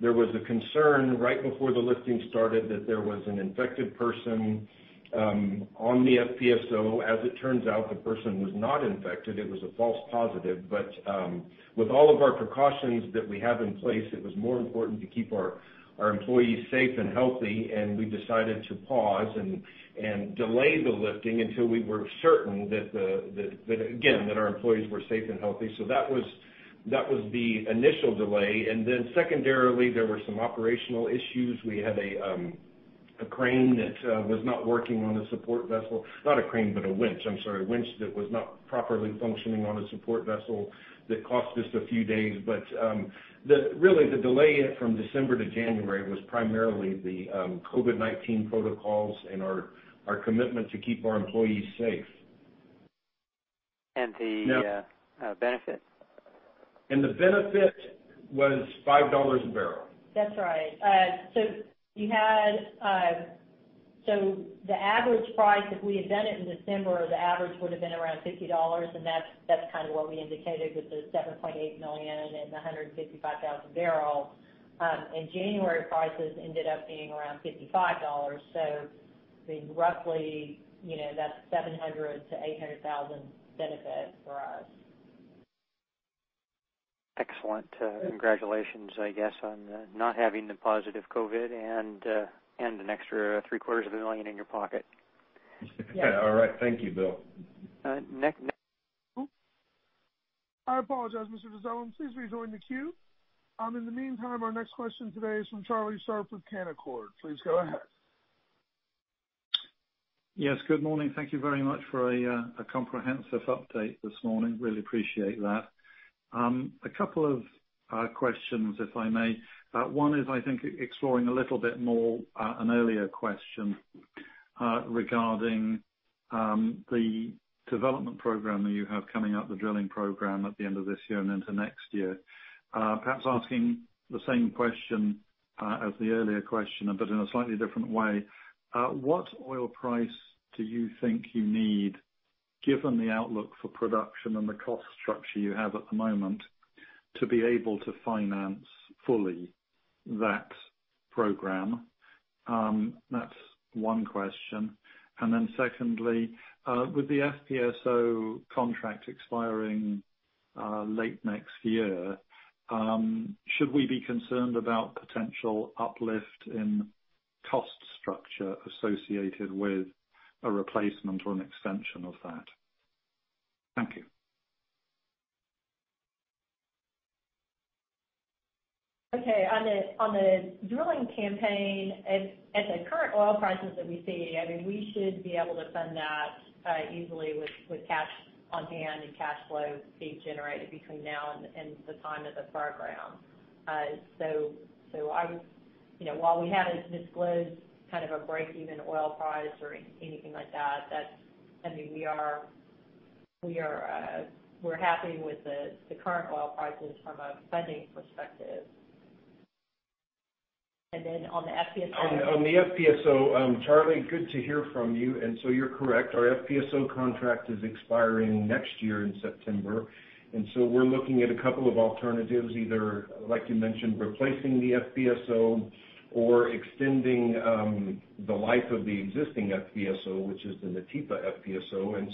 There was a concern right before the lifting started that there was an infected person on the FPSO. As it turns out, the person was not infected. It was a false positive. With all of our precautions that we have in place, it was more important to keep our employees safe and healthy, and we decided to pause and delay the lifting until we were certain that, again, our employees were safe and healthy. That was the initial delay. Secondarily, there were some operational issues. We had a crane that was not working on a support vessel. Not a crane, but a winch. I'm sorry. A winch that was not properly functioning on a support vessel that cost us a few days. Really the delay from December to January was primarily the COVID-19 protocols and our commitment to keep our employees safe. The benefit? The benefit was $5 a barrel. That's right. The average price, if we had done it in December, the average would have been $50. That's what we indicated with the $7.8 million and the 155,000 bbl. January prices ended up being $55. Roughly, that's $700,000-$800,000 benefit for us. Excellent. Congratulations, I guess, on not having the positive COVID and an extra three-quarters of a million in your pocket. Yes. Yeah. All right. Thank you, Bill. I apologize, Mr. Dezellem. Please rejoin the queue. In the meantime, our next question today is from Charlie Sharp with Canaccord. Please go ahead. Yes, good morning. Thank you very much for a comprehensive update this morning. Really appreciate that. A couple of questions, if I may. One is, I think, exploring a little bit more an earlier question regarding the development program that you have coming up, the drilling program at the end of this year and into next year. Perhaps asking the same question as the earlier question, but in a slightly different way. What oil price do you think you need, given the outlook for production and the cost structure you have at the moment, to be able to finance fully that program? That's one question. Secondly, with the FPSO contract expiring late next year, should we be concerned about potential uplift in cost structure associated with a replacement or an extension of that? Thank you. Okay. On the drilling campaign, at the current oil prices that we see, we should be able to fund that easily with cash on hand and cash flow being generated between now and the time of the program. While we haven't disclosed a break-even oil price or anything like that, we're happy with the current oil prices from a funding perspective. On the FPSO, Charlie, good to hear from you. You're correct. Our FPSO contract is expiring next year in September. We're looking at a couple of alternatives, either, like you mentioned, replacing the FPSO or extending the life of the existing FPSO, which is the Nautipa FPSO.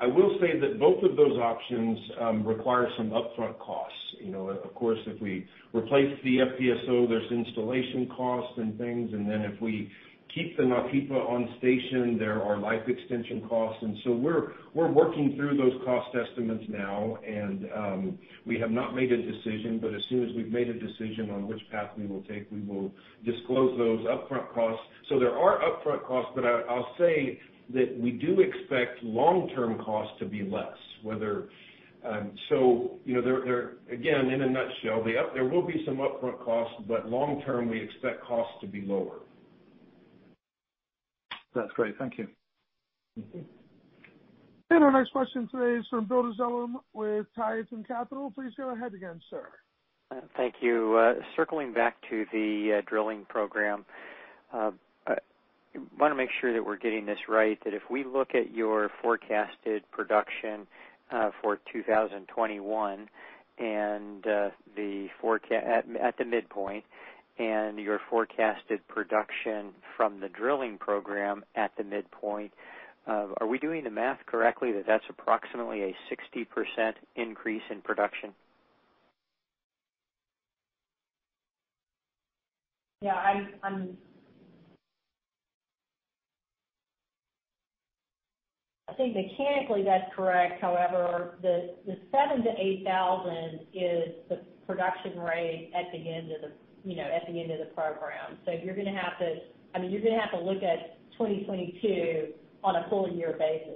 I will say that both of those options require some upfront costs. Of course, if we replace the FPSO, there's installation costs and things, and then if we keep the Nautipa on station, there are life extension costs. We're working through those cost estimates now, and we have not made a decision, but as soon as we've made a decision on which path we will take, we will disclose those upfront costs. There are upfront costs, but I'll say that we do expect long-term costs to be less. In a nutshell, there will be some upfront costs, but long-term, we expect costs to be lower. That's great. Thank you. Our next question today is from Bill Dezellem with Tieton Capital. Please go ahead again, sir. Thank you. Circling back to the drilling program. I want to make sure that we're getting this right, that if we look at your forecasted production for 2021 at the midpoint, and your forecasted production from the drilling program at the midpoint, are we doing the math correctly that that's approximately a 60% increase in production? Yeah. I think mechanically that's correct. However, the 7,000 bbl-8,000 bbl is the production rate at the end of the program. You're going to have to look at 2022 on a full year basis.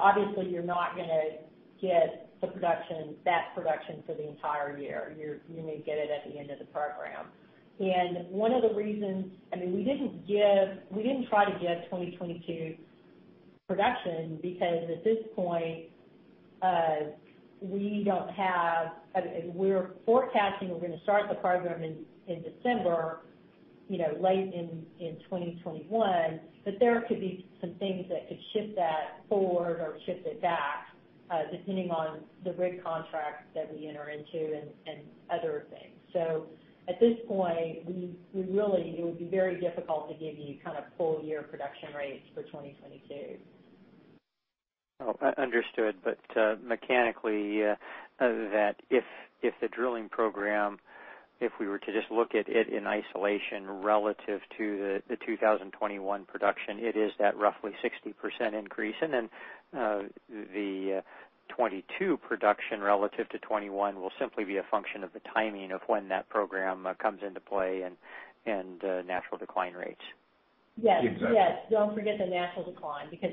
Obviously, you're not going to get that production for the entire year. You're going to get it at the end of the program. One of the reasons we didn't try to give 2022 production because at this point, we're forecasting we're going to start the program in December, late in 2021. There could be some things that could shift that forward or shift it back, depending on the rig contracts that we enter into and other things. At this point, it would be very difficult to give you full year production rates for 2022. Understood. Mechanically, that if the drilling program, if we were to just look at it in isolation relative to the 2021 production, it is that roughly 60% increase. The 2022 production relative to 2021 will simply be a function of the timing of when that program comes into play and natural decline rates. Yes. Exactly. Don't forget the natural decline because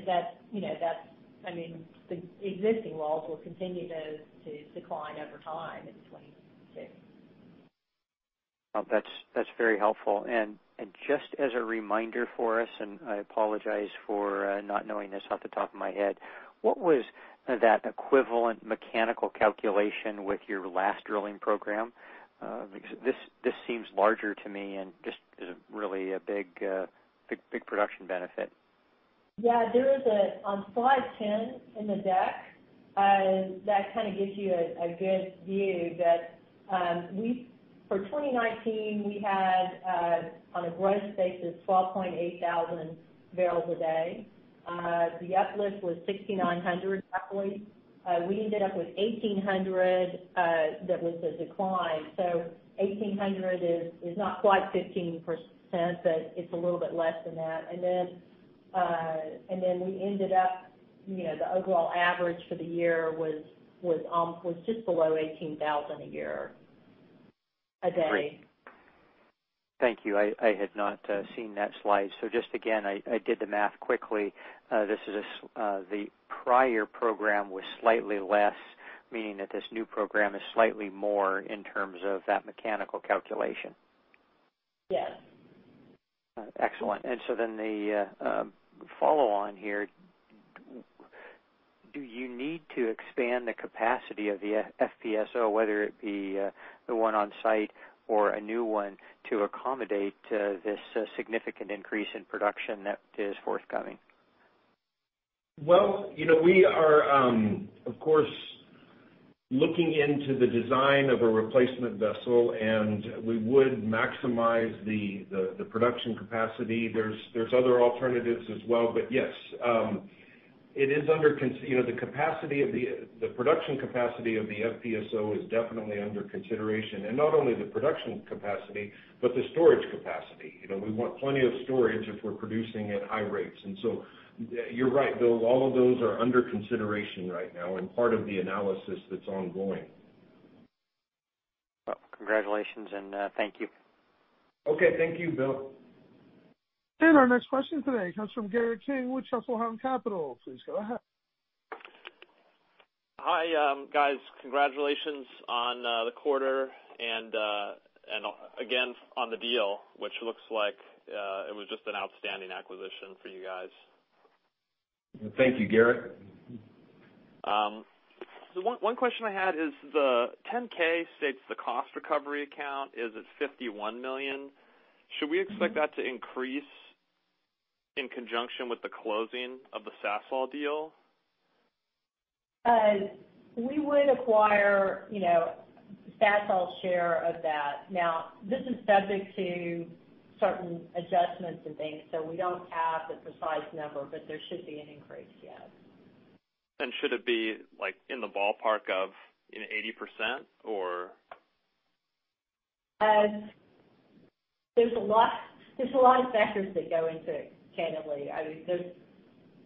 the existing wells will continue to decline over time in 2022. That's very helpful. Just as a reminder for us, and I apologize for not knowing this off the top of my head, what was that equivalent mechanical calculation with your last drilling program? This seems larger to me and just is really a big production benefit. On slide 10 in the deck, that gives you a good view that for 2019, we had, on a gross basis, 12,800 bpd. The uplift was 6,900 bpd, roughly. We ended up with 1,800 bpd. That was a decline. 1,800 bpd is not quite 15%, but it's a little bit less than that. We ended up, the overall average for the year was just below 18,000 bpd. Great. Thank you. I had not seen that slide. Just again, I did the math quickly. The prior program was slightly less, meaning that this new program is slightly more in terms of that mechanical calculation. Yes. Excellent. The follow on here, do you need to expand the capacity of the FPSO, whether it be the one on site or a new one, to accommodate this significant increase in production that is forthcoming? Well, we are, of course, looking into the design of a replacement vessel, we would maximize the production capacity. There's other alternatives as well, yes. The production capacity of the FPSO is definitely under consideration. Not only the production capacity, but the storage capacity. We want plenty of storage if we're producing at high rates. You're right, Bill. All of those are under consideration right now and part of the analysis that's ongoing. Well, congratulations, and thank you. Okay. Thank you, Bill. Our next question today comes from Garrett King with Truffle Hound Capital. Please go ahead. Hi, guys. Congratulations on the quarter, and again on the deal, which looks like it was just an outstanding acquisition for you guys. Thank you, Garrett. One question I had is the 10-K states the cost recovery account is at $51 million. Should we expect that to increase in conjunction with the closing of the Sasol deal? We would acquire Sasol's share of that. This is subject to certain adjustments and things. We don't have the precise number, but there should be an increase, yes. Should it be in the ballpark of 80% or? There's a lot of factors that go into it, candidly. There's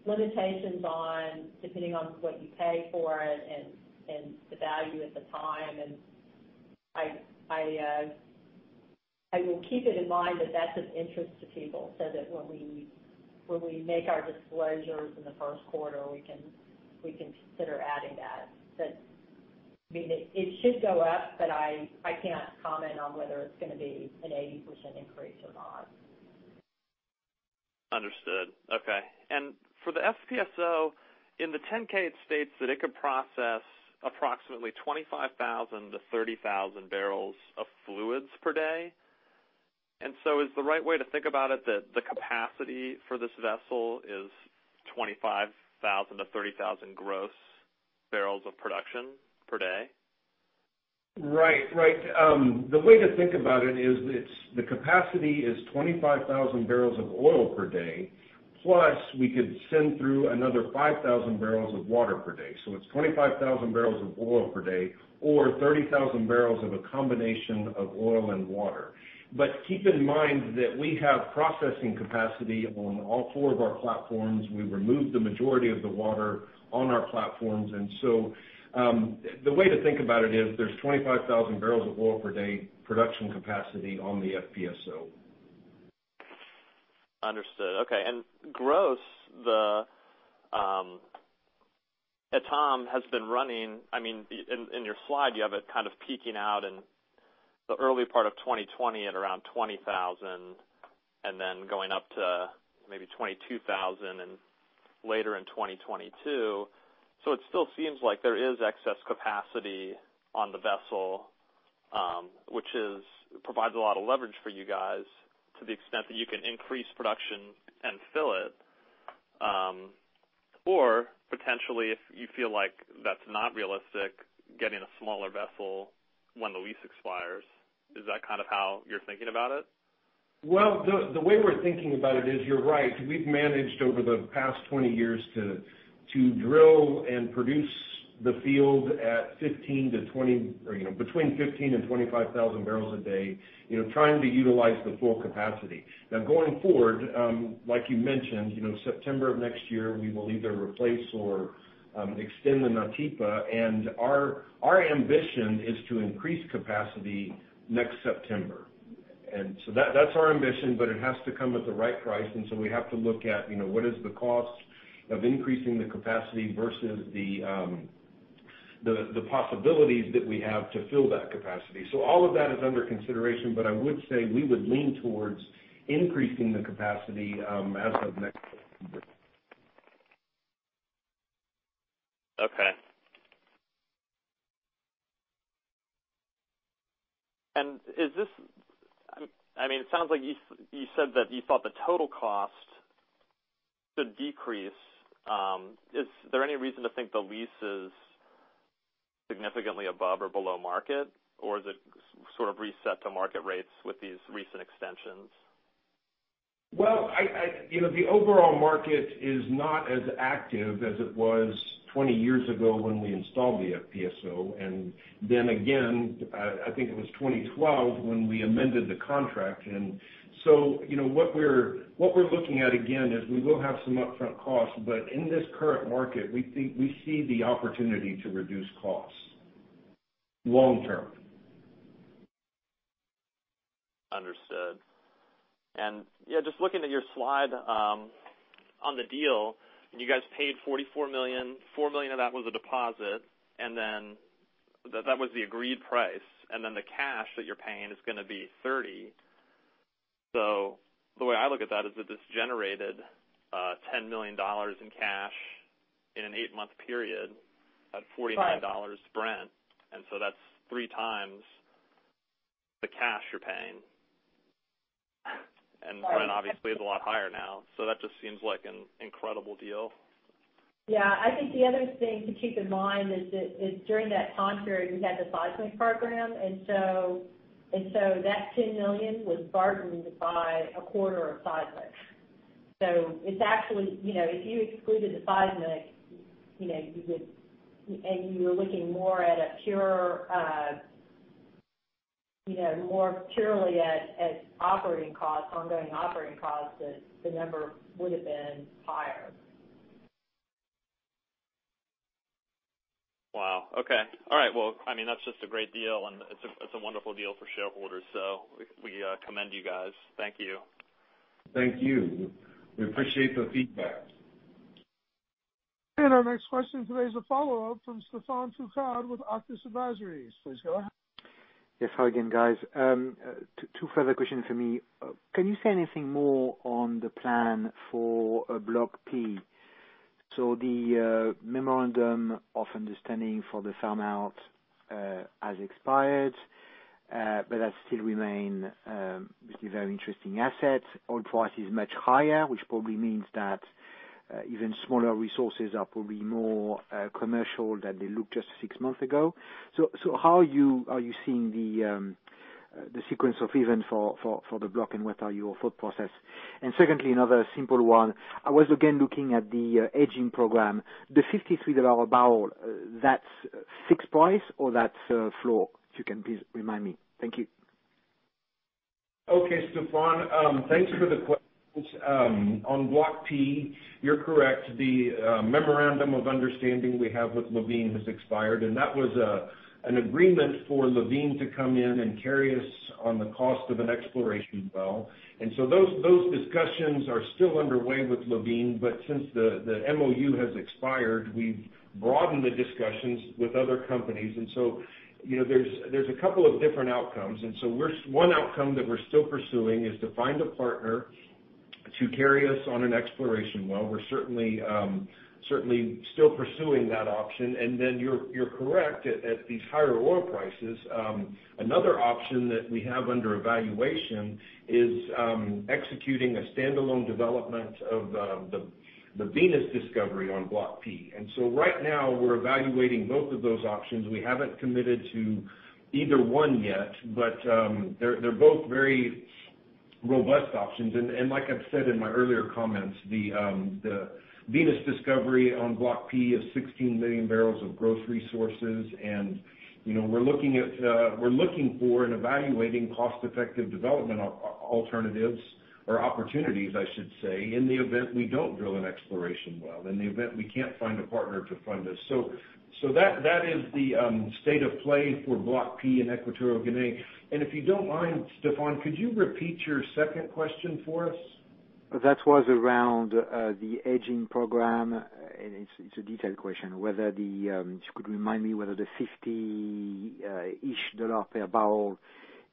limitations depending on what you pay for it and the value at the time. I will keep it in mind that that's of interest to people, so that when we make our disclosures in the first quarter, we can consider adding that. It should go up, but I can't comment on whether it's going to be an 80% increase or not. Understood. Okay. For the FPSO, in the 10-K, it states that it could process approximately 25,000 bbl-30,000 bbl of fluids per day. Is the right way to think about it that the capacity for this vessel is 25,000 gross barrels-30,000 gross barrels of production per day? Right. The way to think about it is the capacity is 25,000 BOPD, plus we could send through another 5,000 bbl of water per day. It's 25,000 BOPD or 30,000 bbl of a combination of oil and water. Keep in mind that we have processing capacity on all four of our platforms. We've removed the majority of the water on our platforms. The way to think about it is there's 25,000 BOPD production capacity on the FPSO. Understood. Okay. Gross, the Etame has been running, in your slide, you have it peaking out in the early part of 2020 at around 20,000 bbl, then going up to maybe 22,000 bbl later in 2022. It still seems like there is excess capacity on the vessel, which provides a lot of leverage for you guys to the extent that you can increase production and fill it. Potentially, if you feel like that's not realistic, getting a smaller vessel when the lease expires. Is that how you're thinking about it? Well, the way we're thinking about it is, you're right. We've managed over the past 20 years to drill and produce the field at between 15,000 bpd and 25,000 bpd, trying to utilize the full capacity. Now, going forward, like you mentioned, September of next year, we will either replace or extend the Nautipa. Our ambition is to increase capacity next September. That's our ambition, but it has to come at the right price. We have to look at what is the cost of increasing the capacity versus the possibilities that we have to fill that capacity. All of that is under consideration, but I would say we would lean towards increasing the capacity as of next September. Okay. It sounds like you said that you thought the total cost should decrease. Is there any reason to think the lease is significantly above or below market? Or is it sort of reset to market rates with these recent extensions? Well, the overall market is not as active as it was 20 years ago when we installed the FPSO. Again, I think it was 2012, when we amended the contract. What we're looking at again is we will have some upfront costs, but in this current market, we see the opportunity to reduce costs long term. Understood. Just looking at your slide on the deal, you guys paid $44 million. $4 million of that was a deposit, that was the agreed price. The cash that you're paying is going to be $30 million. The way I look at that is that this generated $10 million in cash in an eight-month period at $49 Brent. That's three times the cash you're paying. Brent obviously is a lot higher now. That just seems like an incredible deal. I think the other thing to keep in mind is that during that time period, we had the seismic program. That $10 million was offset by a quarter of seismic. If you excluded the seismic, and you were looking more purely at ongoing operating costs, the number would have been higher. Wow, okay. All right. Well, that's just a great deal, and it's a wonderful deal for shareholders. We commend you guys. Thank you. Thank you. We appreciate the feedback. Our next question today is a follow-up from Stephane Foucaud with Auctus Advisors. Please go ahead. Yes. Hi again, guys. Two further questions for me. Can you say anything more on the plan for Block P? The memorandum of understanding for the farm out has expired, but that still remain basically very interesting asset. Oil price is much higher, which probably means that even smaller resources are probably more commercial than they looked just six months ago. How are you seeing the sequence of events for the block, and what are your thought process? Secondly, another simple one. I was again looking at the hedging program, the $53 barrel, that's fixed price or that's floor? If you can please remind me. Thank you. Okay, Stephane. Thanks for the questions. On Block P, you're correct. The memorandum of understanding we have with Levene has expired, and that was an agreement for Levene to come in and carry us on the cost of an exploration well. Those discussions are still underway with Levene, but since the MOU has expired, we've broadened the discussions with other companies. There's a couple of different outcomes. One outcome that we're still pursuing is to find a partner to carry us on an exploration well. We're certainly still pursuing that option. You're correct at these higher oil prices. Another option that we have under evaluation is executing a standalone development of the Venus discovery on Block P. Right now we're evaluating both of those options. We haven't committed to either one yet, but they're both very robust options. Like I've said in my earlier comments, the Venus discovery on Block P is 16 million barrels of gross resources, we're looking for and evaluating cost-effective development alternatives or opportunities, I should say, in the event we don't drill an exploration well, in the event we can't find a partner to fund us. That is the state of play for Block P in Equatorial Guinea. If you don't mind, Stephane, could you repeat your second question for us? That was around the hedging program. It's a detailed question, if you could remind me whether the $50-ish per barrel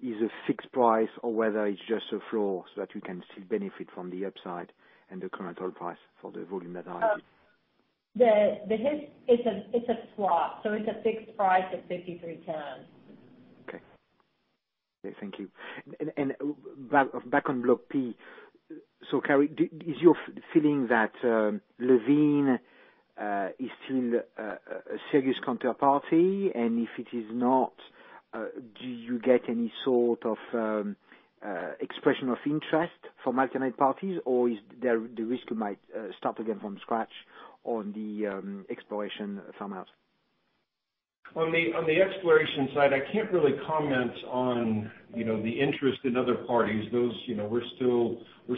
is a fixed price or whether it's just a floor so that we can still benefit from the upside and the current oil price for the volume that It's a swap, so it's a fixed price of $53.10. Okay. Thank you. Back on Block P. Cary, is your feeling that Levene is still a serious counterparty? If it is not, do you get any sort of expression of interest from alternate parties? Is there the risk you might start again from scratch on the exploration farm out? On the exploration side, I can't really comment on the interest in other parties. We're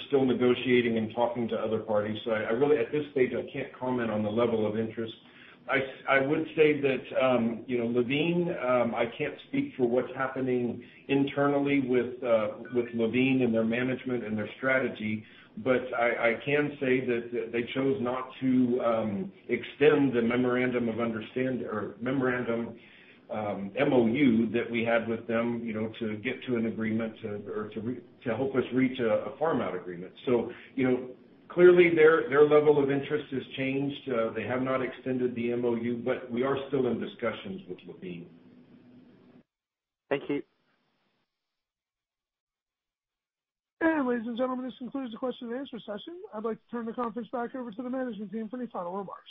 still negotiating and talking to other parties. At this stage, I can't comment on the level of interest. I would say that Levene, I can't speak for what's happening internally with Levene and their management and their strategy. I can say that they chose not to extend the MOU, that we had with them to get to an agreement or to help us reach a farm-out agreement. Clearly their level of interest has changed. They have not extended the MOU, we are still in discussions with Levene. Thank you. Ladies and gentlemen, this concludes the question-and-answer session. I'd like to turn the conference back over to the management team for any final remarks.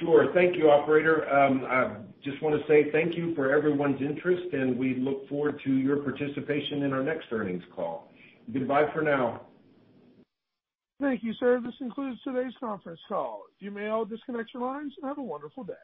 Sure. Thank you, operator. I just want to say thank you for everyone's interest, and we look forward to your participation in our next earnings call. Goodbye for now. Thank you, sir. This concludes today's conference call. You may all disconnect your lines and have a wonderful day.